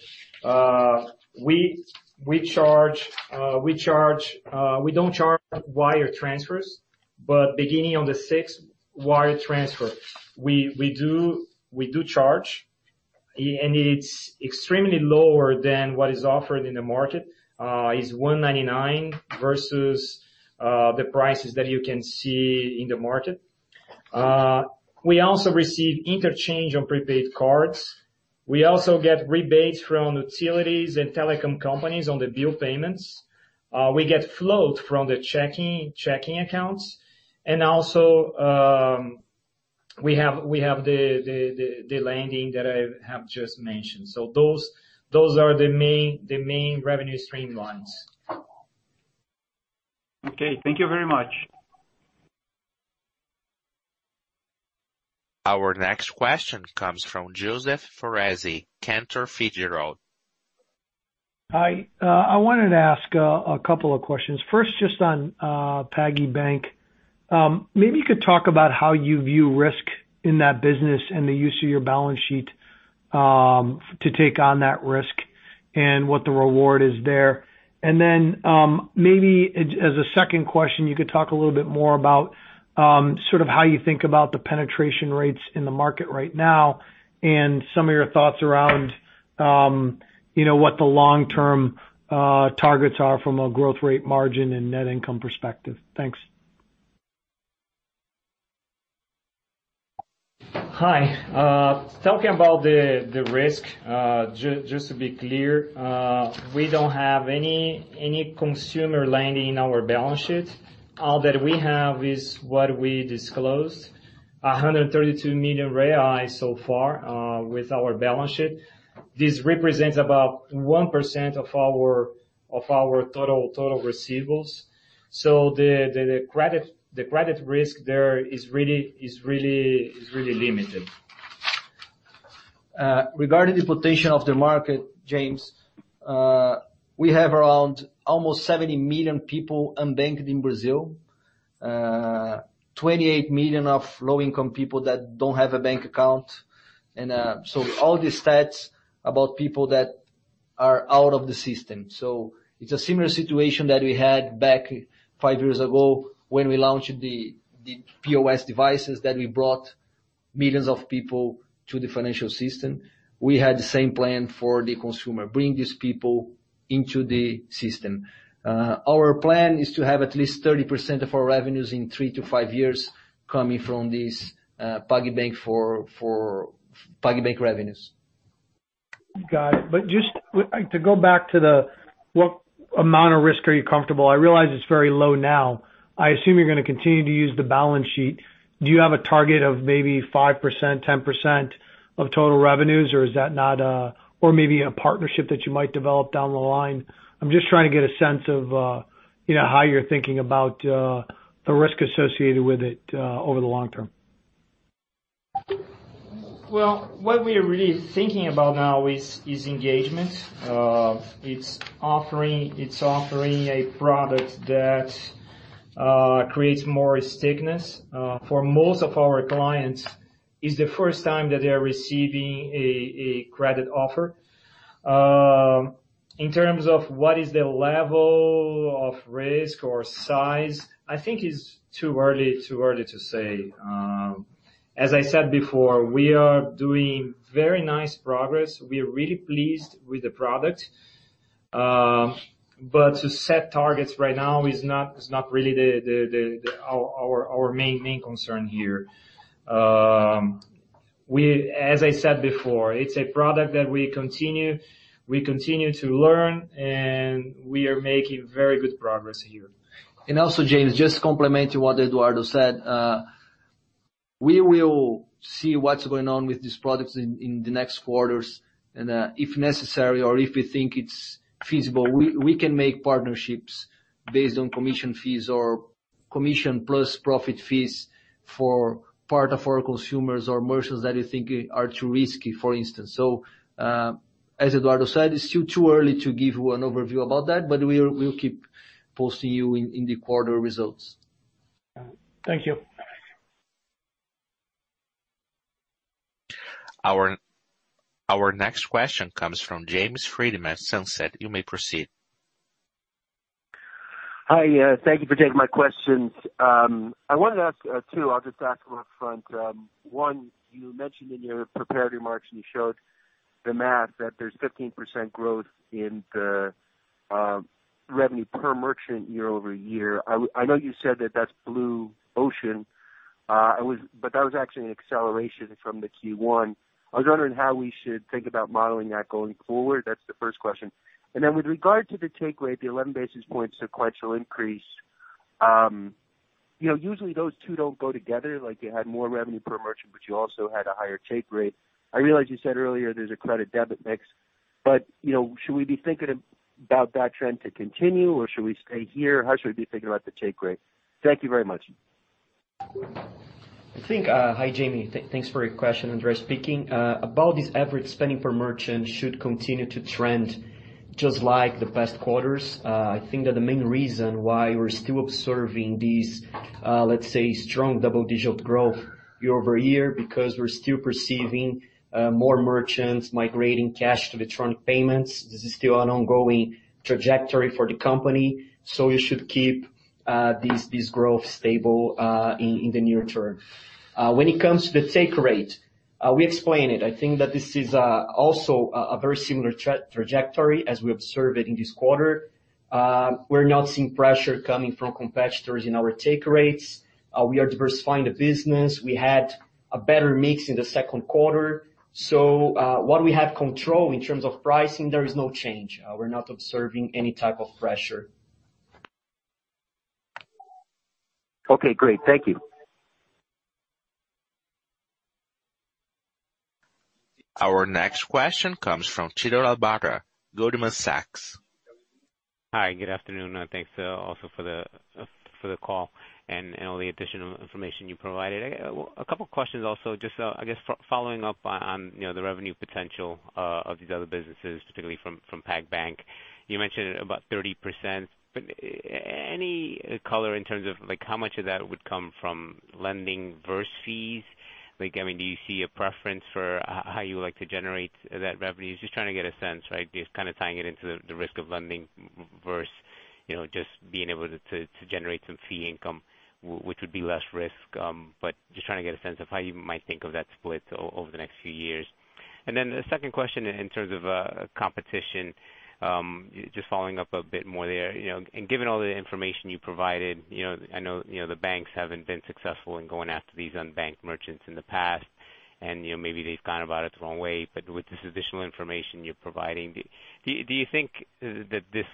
we don't charge wire transfers, but beginning on the sixth wire transfer, we do charge, and it's extremely lower than what is offered in the market. It's 199 versus the prices that you can see in the market. We also receive interchange on prepaid cards. We also get rebates from utilities and telecom companies on the bill payments. We get float from the checking accounts. Also, we have the lending that I have just mentioned. Those are the main revenue streamlines. Okay. Thank you very much. Our next question comes from Joseph Foresi, Cantor Fitzgerald. Hi. I wanted to ask a couple of questions. First, just on PagBank. Maybe you could talk about how you view risk in that business and the use of your balance sheet to take on that risk and what the reward is there. Maybe as a second question, you could talk a little bit more about how you think about the penetration rates in the market right now and some of your thoughts around what the long-term targets are from a growth rate margin and net income perspective. Thanks. Hi. Talking about the risk, just to be clear, we don't have any consumer lending in our balance sheet. All that we have is what we disclosed, 132 million so far with our balance sheet. This represents about 1% of our total receivables. The credit risk there is really limited. Regarding the potential of the market, James, we have around almost 70 million people unbanked in Brazil. 28 million of low-income people that don't have a bank account. All the stats about people that are out of the system. It's a similar situation that we had back five years ago when we launched the POS devices that we brought millions of people to the financial system. We had the same plan for the consumer, bring these people into the system. Our plan is to have at least 30% of our revenues in three to five years coming from these PagBank revenues. Got it. Just to go back to what amount of risk are you comfortable with? I realize it's very low now. I assume you're going to continue to use the balance sheet. Do you have a target of maybe 5%, 10% of total revenues? Or maybe a partnership that you might develop down the line? I'm just trying to get a sense of how you're thinking about the risk associated with it over the long term. Well, what we are really thinking about now is engagement. It's offering a product that creates more stickiness. For most of our clients, it's the first time that they are receiving a credit offer. In terms of what is the level of risk or size, I think it's too early to say. As I said before, we are doing very nice progress. We are really pleased with the product. To set targets right now is not really our main concern here. As I said before, it's a product that we continue to learn, and we are making very good progress here. Also, James, just complementing what Eduardo said. We will see what's going on with these products in the next quarters, and if necessary or if we think it's feasible, we can make partnerships based on commission fees or commission plus profit fees for part of our consumers or merchants that we think are too risky, for instance. As Eduardo said, it's still too early to give you an overview about that, but we'll keep posting you in the quarter results. Thank you. Our next question comes from James Friedman at SunTrust. You may proceed. Hi. Thank you for taking my questions. I wanted to ask two. I'll just ask them up front. One, you mentioned in your prepared remarks, and you showed the math that there's 15% growth in the revenue per merchant year-over-year. I know you said that that's blue ocean. That was actually an acceleration from the Q1. I was wondering how we should think about modeling that going forward. That's the first question. With regard to the take rate, the 11 basis point sequential increase. Usually those two don't go together. Like you had more revenue per merchant, but you also had a higher take rate. I realize you said earlier there's a credit debit mix, but should we be thinking about that trend to continue, or should we stay here? How should we be thinking about the take rate? Thank you very much. Hi, James. Thanks for your question. Andre speaking. About this average spending per merchant should continue to trend just like the past quarters. I think that the main reason why we're still observing this, let's say, strong double-digit growth year-over-year, because we're still perceiving more merchants migrating cash to electronic payments. This is still an ongoing trajectory for the company. You should keep this growth stable in the near term. When it comes to the take rate. We explain it. I think that this is also a very similar trajectory as we observe it in this quarter. We're not seeing pressure coming from competitors in our take rates. We are diversifying the business. We had a better mix in the second quarter. What we have control in terms of pricing, there is no change. We're not observing any type of pressure. Okay, great. Thank you. Our next question comes from Tito Labarta, Goldman Sachs. Hi, good afternoon, and thanks also for the call and all the additional information you provided. A couple questions also, just, I guess, following up on the revenue potential of these other businesses, typically from PagBank. Any color in terms of how much of that would come from lending versus fees? Do you see a preference for how you would like to generate that revenue? Just trying to get a sense. Just tying it into the risk of lending versus just being able to generate some fee income, which would be less risk. Just trying to get a sense of how you might think of that split over the next few years. The second question in terms of competition, just following up a bit more there. Given all the information you provided, I know the banks haven't been successful in going after these unbanked merchants in the past, and maybe they've gone about it the wrong way, but with this additional information you're providing, do you think that this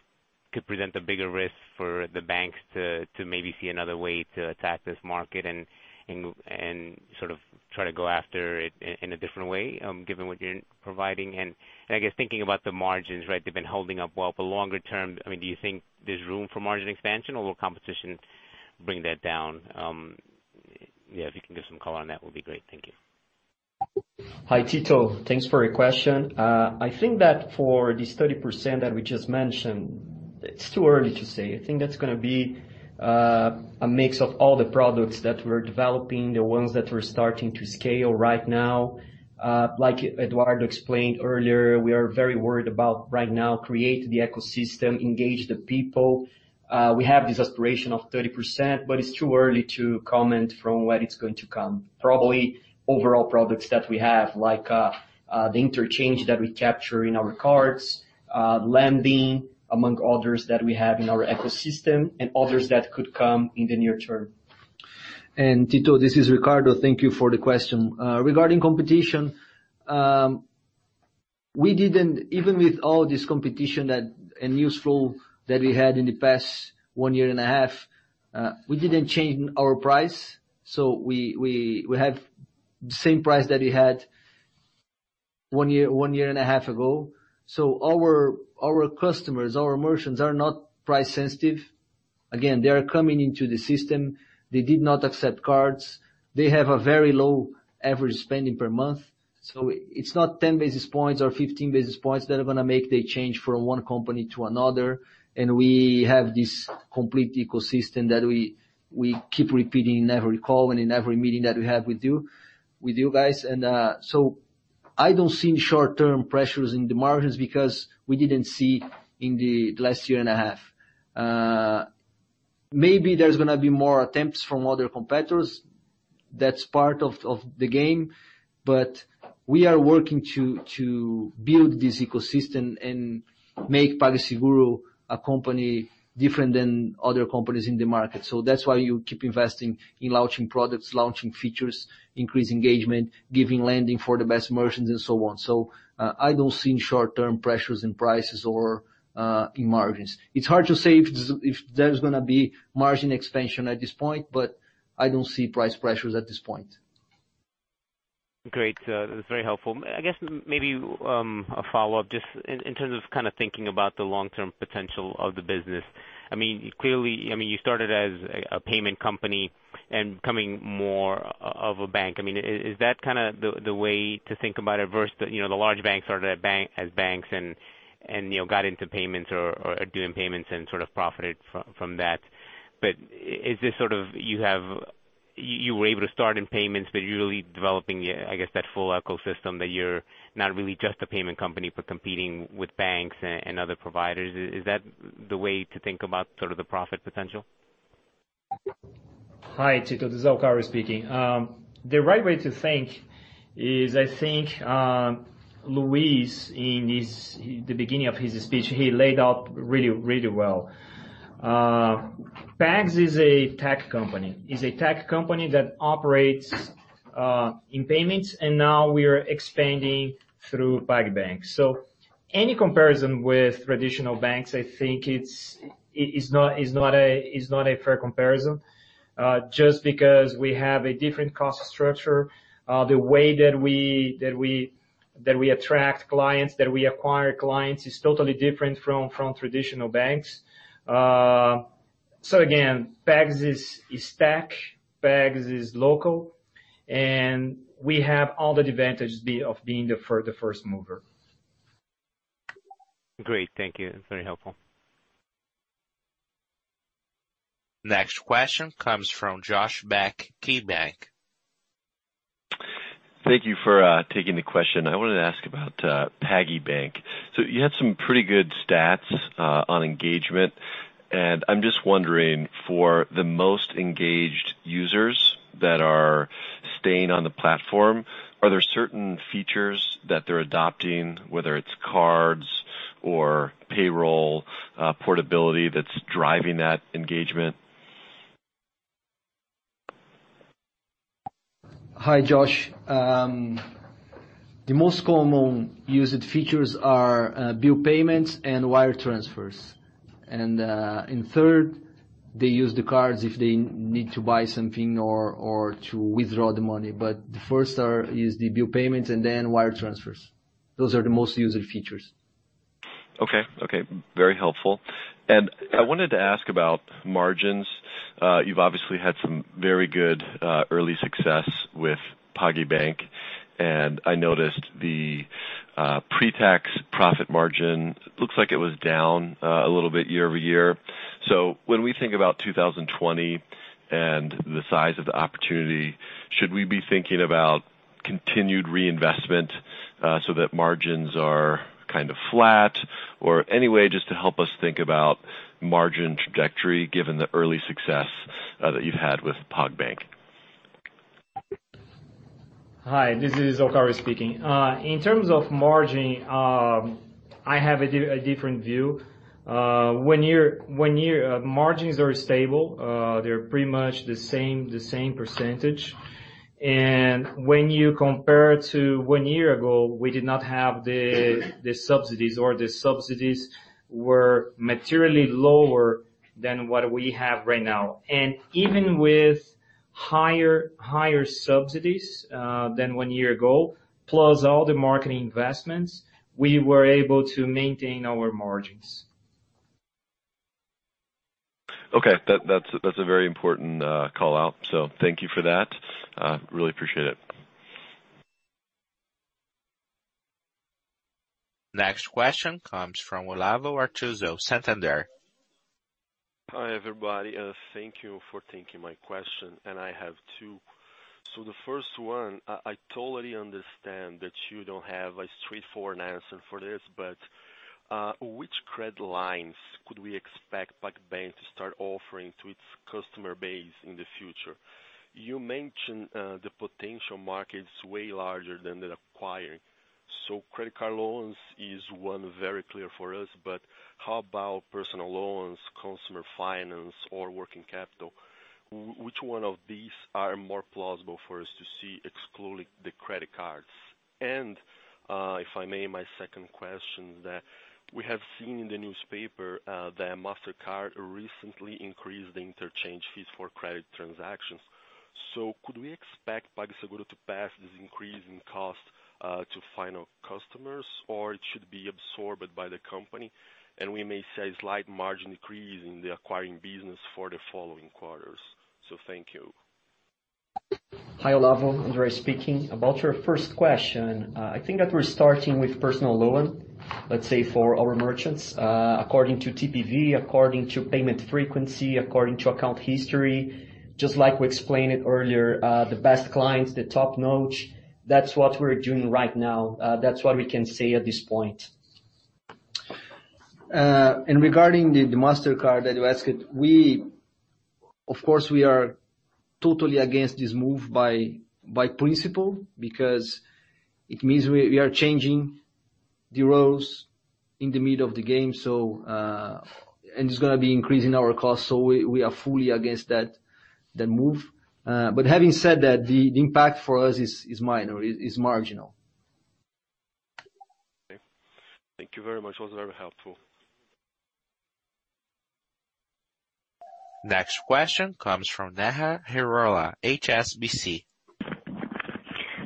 could present a bigger risk for the banks to maybe see another way to attack this market and sort of try to go after it in a different way, given what you're providing? I guess thinking about the margins, they've been holding up well for longer term. Do you think there's room for margin expansion, or will competition bring that down? If you can give some color on that would be great. Thank you. Hi, Tito. Thanks for your question. I think that for this 30% that we just mentioned, it's too early to say. I think that's going to be a mix of all the products that we're developing, the ones that we're starting to scale right now. Like Eduardo explained earlier, we are very worried about right now, create the ecosystem, engage the people. We have this aspiration of 30%, but it's too early to comment from where it's going to come. Probably overall products that we have, like the interchange that we capture in our cards, lending, among others that we have in our ecosystem, and others that could come in the near term. Tito, this is Ricardo. Thank you for the question. Regarding competition, even with all this competition and news flow that we had in the past one year and a half, we didn't change our price. We have the same price that we had one year and a half ago. Our customers, our merchants, are not price sensitive. Again, they are coming into the system. They did not accept cards. They have a very low average spending per month. It's not 10 basis points or 15 basis points that are going to make the change from one company to another. We have this complete ecosystem that we keep repeating in every call and in every meeting that we have with you guys. I don't see any short-term pressures in the margins because we didn't see in the last year and a half. Maybe there's going to be more attempts from other competitors. That's part of the game. We are working to build this ecosystem and make PagSeguro a company different than other companies in the market. That's why you keep investing in launching products, launching features, increase engagement, giving lending for the best merchants, and so on. I don't see any short-term pressures in prices or in margins. It's hard to say if there's going to be margin expansion at this point, but I don't see price pressures at this point. Great. That's very helpful. I guess maybe a follow-up just in terms of thinking about the long-term potential of the business. Clearly, you started as a payment company and becoming more of a bank. Is that the way to think about it versus the large banks started as banks and got into payments or are doing payments and sort of profited from that? Is this sort of you were able to start in payments, but you're really developing, I guess, that full ecosystem that you're not really just a payment company, but competing with banks and other providers. Is that the way to think about sort of the profit potential? Hi, Tito. This is Alvaro speaking. The right way to think is, I think Luiz, in the beginning of his speech, he laid out really well. PagSeguro is a tech company. It is a tech company that operates in payments, and now we are expanding through PagBank. Any comparison with traditional banks, I think is not a fair comparison. Just because we have a different cost structure. The way that we attract clients, that we acquire clients is totally different from traditional banks. Again, PagSeguro is tech, PagSeguro is local, and we have all the advantage of being the first mover. Great. Thank you. That's very helpful. Next question comes from Josh Beck, KeyBanc. Thank you for taking the question. I wanted to ask about PagBank. You had some pretty good stats on engagement. I'm just wondering, for the most engaged users that are staying on the platform, are there certain features that they're adopting, whether it's cards or payroll portability, that's driving that engagement? Hi, Josh. The most common used features are bill payments and wire transfers. In third, they use the cards if they need to buy something or to withdraw the money. The first is the bill payments and then wire transfers. Those are the most used features. Okay. Very helpful. I wanted to ask about margins. You've obviously had some very good early success with PagBank, and I noticed the pre-tax profit margin looks like it was down a little bit year-over-year. When we think about 2020 and the size of the opportunity, should we be thinking about continued reinvestment so that margins are kind of flat? Any way just to help us think about margin trajectory, given the early success that you've had with PagBank. Hi, this is Alcaro speaking. In terms of margin, I have a different view. Margins are stable. They're pretty much the same %. When you compare to one year ago, we did not have the subsidies or the subsidies were materially lower than what we have right now. Even with higher subsidies than one year ago, plus all the marketing investments, we were able to maintain our margins. Okay. That's a very important call-out. Thank you for that. Really appreciate it. Next question comes from Olavo Artuso, Santander. Hi, everybody. Thank you for taking my question, and I have two. The first one, I totally understand that you don't have a straightforward answer for this, but which credit lines could we expect PagBank to start offering to its customer base in the future? You mentioned the potential market is way larger than the acquiring. Credit card loans is one very clear for us, but how about personal loans, consumer finance, or working capital? Which one of these are more plausible for us to see excluding the credit cards? If I may, my second question that we have seen in the newspaper that Mastercard recently increased the interchange fees for credit transactions. Could we expect PagSeguro to pass this increase in cost to final customers or it should be absorbed by the company and we may see a slight margin decrease in the acquiring business for the following quarters? Thank you. Hi, Olavo. Andre speaking. About your first question, I think that we're starting with personal loan, let's say, for our merchants. According to TPV, according to payment frequency, according to account history, just like we explained it earlier, the best clients, the top-notch, that's what we're doing right now. That's what we can say at this point. Regarding the Mastercard that you asked, of course, we are totally against this move by principle because it means we are changing the roles in the middle of the game. It's going to be increasing our cost, so we are fully against that move. Having said that, the impact for us is minor, is marginal. Okay. Thank you very much. It was very helpful. Next question comes from Neha Agarwala, HSBC.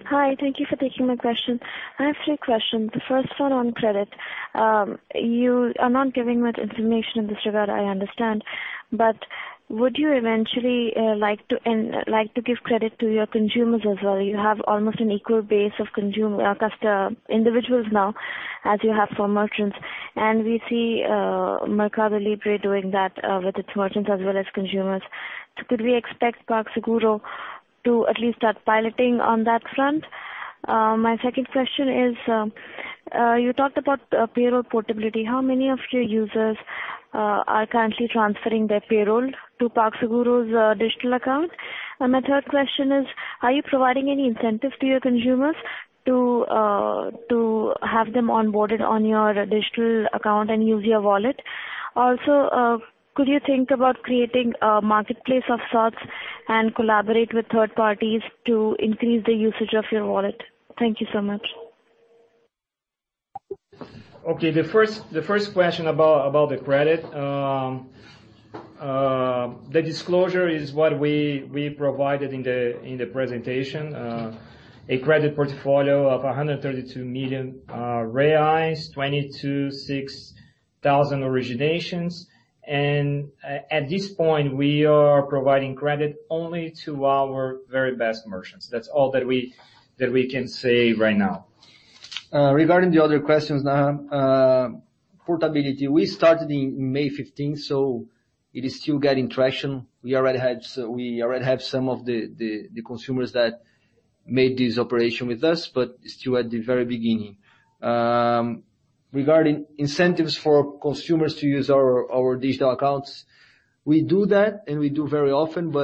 Hi. Thank you for taking my question. I have three questions. The first one on credit. You are not giving much information in this regard, I understand. Would you eventually like to give credit to your consumers as well? You have almost an equal base of individuals now as you have for merchants. We see MercadoLibre doing that with its merchants as well as consumers. Could we expect PagSeguro to at least start piloting on that front? My second question is, you talked about payroll portability. How many of your users are currently transferring their payroll to PagSeguro's digital account? My third question is, are you providing any incentives to your consumers to have them onboarded on your digital account and use your wallet? Could you think about creating a marketplace of sorts and collaborate with third parties to increase the usage of your wallet? Thank you so much. Okay. The first question about the credit. The disclosure is what we provided in the presentation. A credit portfolio of 132 million reais, 226,000 originations. At this point, we are providing credit only to our very best merchants. That's all that we can say right now. Regarding the other questions, Neha. Portability, we started in May 15. It is still getting traction. We already have some of the consumers that made this operation with us, but still at the very beginning. Regarding incentives for consumers to use our digital accounts, we do that, and we do very often. We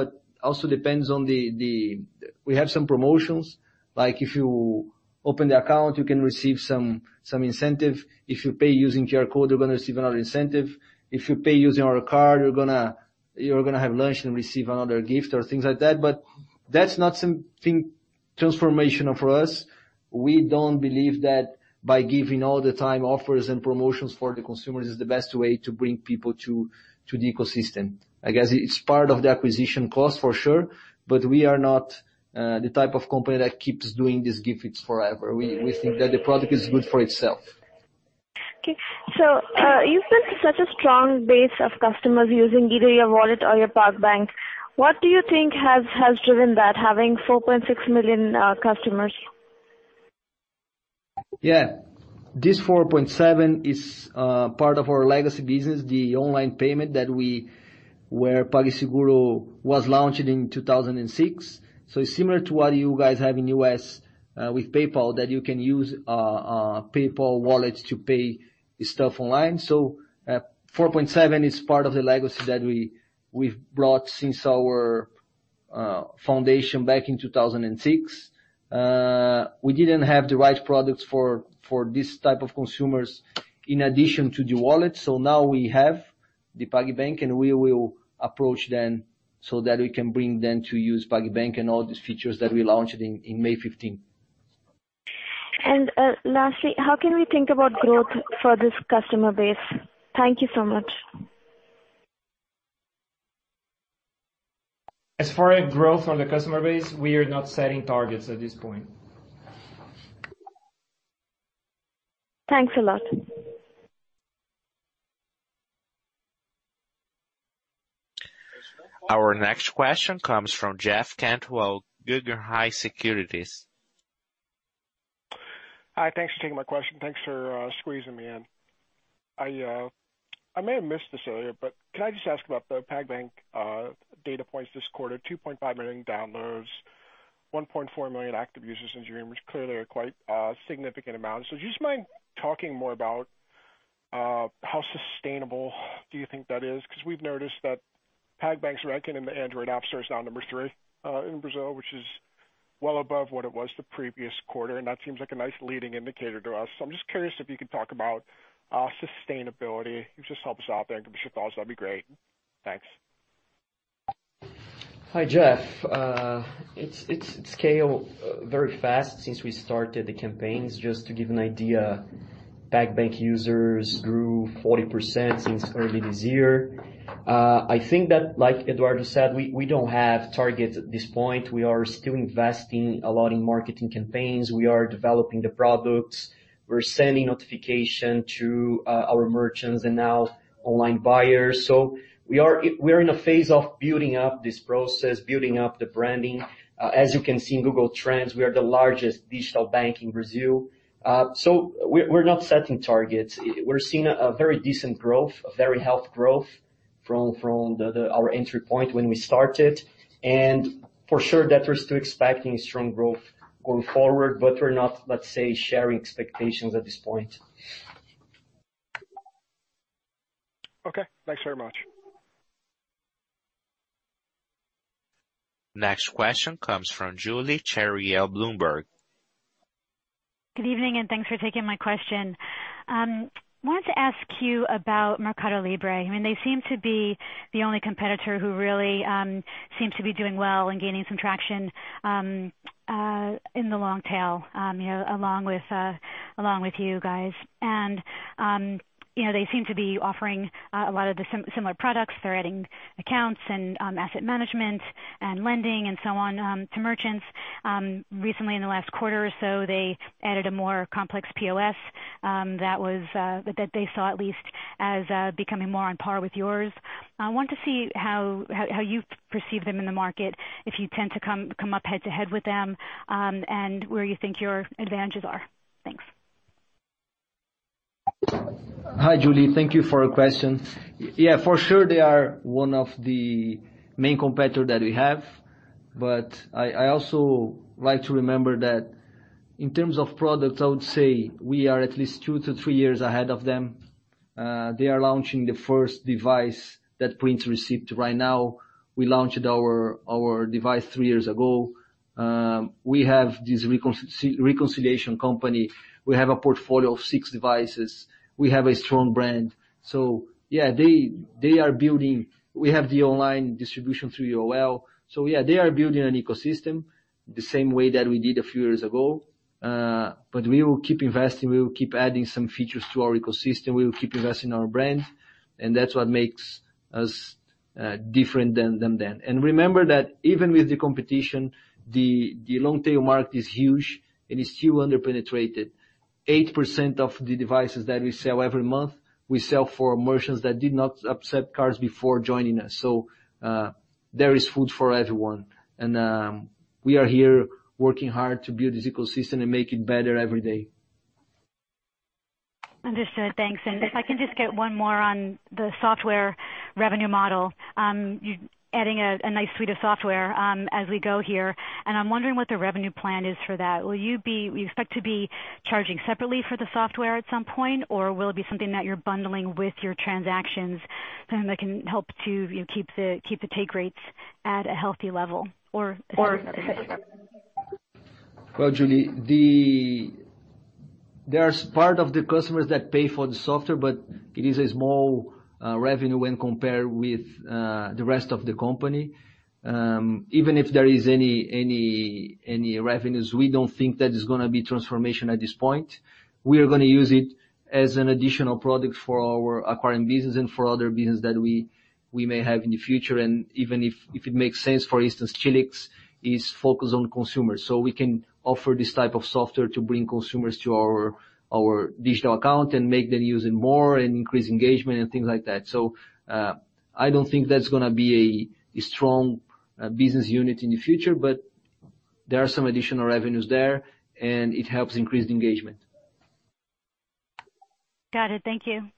have some promotions, like if you open the account, you can receive some incentive. If you pay using QR code, you're gonna receive another incentive. If you pay using our card, you're gonna have lunch and receive another gift or things like that. That's not something transformational for us. We don't believe that by giving all the time offers and promotions for the consumers is the best way to bring people to the ecosystem. I guess it's part of the acquisition cost for sure. We are not the type of company that keeps doing these gifts forever. We think that the product is good for itself. Okay. You've built such a strong base of customers using either your wallet or your PagBank. What do you think has driven that, having 4.6 million customers? Yeah. This 4.7 is part of our legacy business, the online payment where PagSeguro was launched in 2006. It's similar to what you guys have in U.S. with PayPal, that you can use PayPal wallet to pay stuff online. 4.7 is part of the legacy that we've brought since our foundation back in 2006. We didn't have the right products for this type of consumers in addition to the wallet, so now we have the PagBank, and we will approach them so that we can bring them to use PagBank and all these features that we launched in May 15th. Lastly, how can we think about growth for this customer base? Thank you so much. As far as growth on the customer base, we are not setting targets at this point. Thanks a lot. Our next question comes from Jeff Cantwell, Guggenheim Securities. Hi. Thanks for taking my question. Thanks for squeezing me in. I may have missed this earlier, but can I just ask about the PagBank data points this quarter? 2.5 million downloads, 1.4 million active users in June, which clearly are quite significant amounts. Do you mind talking more about how sustainable do you think that is? Because we've noticed that PagBank's ranking in the Android app store is now number 3 in Brazil, which is well above what it was the previous quarter, and that seems like a nice leading indicator to us. I'm just curious if you could talk about sustainability. If you could just help us out there and give us your thoughts, that'd be great. Thanks. Hi, Jeff. It's scale very fast since we started the campaigns. Just to give an idea, PagBank users grew 40% since early this year. I think that, like Eduardo said, we don't have targets at this point. We are still investing a lot in marketing campaigns. We are developing the products. We're sending notification to our merchants and now online buyers. We're in a phase of building up this process, building up the branding. As you can see in Google Trends, we are the largest digital bank in Brazil. We're not setting targets. We're seeing a very decent growth, a very healthy growth from our entry point when we started. For sure that we're still expecting strong growth going forward, but we're not, let's say, sharing expectations at this point. Okay. Thanks very much. Next question comes from Julie Chariell at Bloomberg. Good evening, thanks for taking my question. I wanted to ask you about MercadoLibre. I mean, they seem to be the only competitor who really seems to be doing well and gaining some traction in the long tail along with you guys. They seem to be offering a lot of the similar products. They're adding accounts and asset management and lending and so on to merchants. Recently, in the last quarter or so, they added a more complex POS that they saw at least as becoming more on par with yours. I want to see how you perceive them in the market, if you tend to come up head to head with them, and where you think your advantages are. Thanks. Hi, Julie. Thank you for your question. Yeah, for sure they are one of the main competitor that we have. I also like to remember that in terms of products, I would say we are at least two to three years ahead of them. They are launching the first device that prints receipt right now. We launched our device three years ago. We have this reconciliation company. We have a portfolio of six devices. We have a strong brand. Yeah, they are building. We have the online distribution through UOL. Yeah, they are building an ecosystem the same way that we did a few years ago. We will keep investing, we will keep adding some features to our ecosystem. We will keep investing in our brand, and that's what makes us different than them. Remember that even with the competition, the long tail market is huge and is still under-penetrated. 8% of the devices that we sell every month, we sell for merchants that did not accept cards before joining us. There is food for everyone. We are here working hard to build this ecosystem and make it better every day. Understood. Thanks. If I can just get one more on the software revenue model. You're adding a nice suite of software as we go here, and I'm wondering what the revenue plan is for that. Will you expect to be charging separately for the software at some point, or will it be something that you're bundling with your transactions that can help to keep the take rates at a healthy level, is there another? Well, Julie, there are part of the customers that pay for the software, but it is a small revenue when compared with the rest of the company. Even if there is any revenues, we don't think that it's going to be transformation at this point. We are going to use it as an additional product for our acquiring business and for other business that we may have in the future. Even if it makes sense, for instance, Tilix is focused on consumers, so we can offer this type of software to bring consumers to our digital account and make them use it more and increase engagement and things like that. I don't think that's going to be a strong business unit in the future, but there are some additional revenues there, and it helps increase engagement. Got it. Thank you.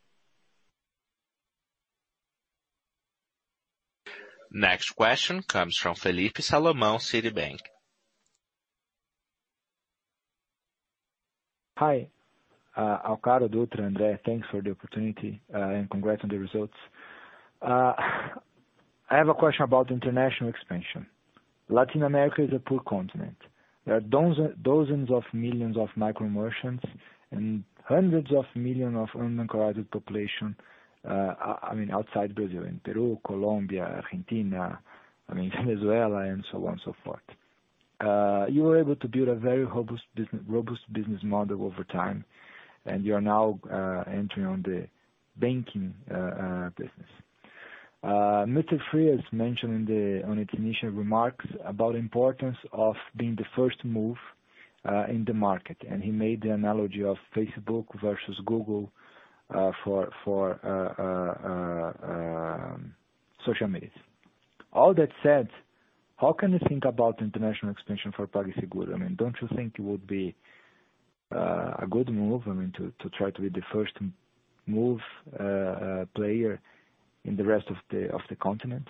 Next question comes from Felipe Salomao, Citibank. Hi, Alcaro, Dutra, Andre. Thanks for the opportunity and congrats on the results. I have a question about international expansion. Latin America is a poor continent. There are dozens of millions of micro merchants and hundreds of millions of unencouraged population, I mean, outside Brazil, in Peru, Colombia, Argentina, Venezuela, and so on and so forth. You were able to build a very robust business model over time, and you are now entering on the banking business. Mr. Frias mentioned on his initial remarks about importance of being the first move in the market, and he made the analogy of Facebook versus Google for social medias. All that said, how can you think about international expansion for PagSeguro? Don't you think it would be a good move, to try to be the first-move player in the rest of the continent?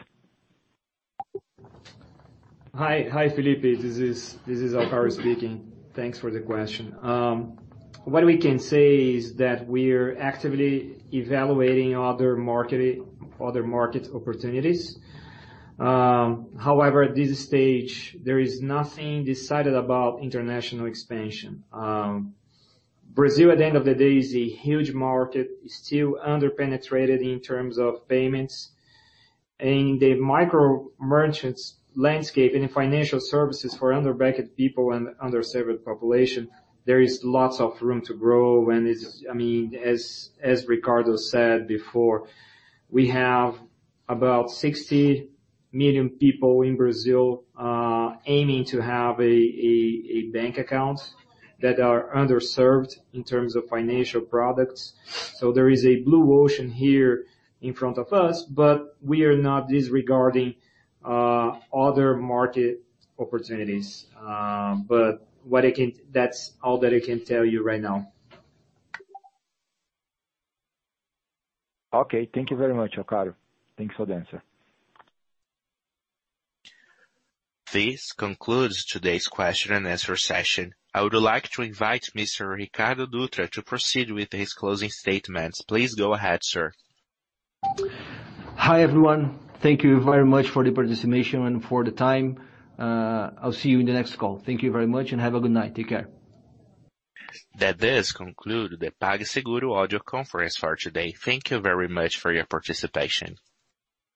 Hi, Felipe. This is Alcaro speaking. Thanks for the question. What we can say is that we're actively evaluating other market opportunities. However, at this stage, there is nothing decided about international expansion. Brazil, at the end of the day, is a huge market, still under-penetrated in terms of payments. In the micro merchants landscape and in financial services for under-banked people and under-served population, there is lots of room to grow. As Ricardo said before, we have about 60 million people in Brazil aiming to have a bank account that are underserved in terms of financial products. There is a blue ocean here in front of us, we are not disregarding other market opportunities. That's all that I can tell you right now. Thank you very much, Alcaro. Thanks for the answer. This concludes today's question and answer session. I would like to invite Mr. Ricardo Dutra to proceed with his closing statements. Please go ahead, sir. Hi, everyone. Thank you very much for the participation and for the time. I'll see you in the next call. Thank you very much and have a good night. Take care. That does conclude the PagSeguro audio conference for today. Thank you very much for your participation.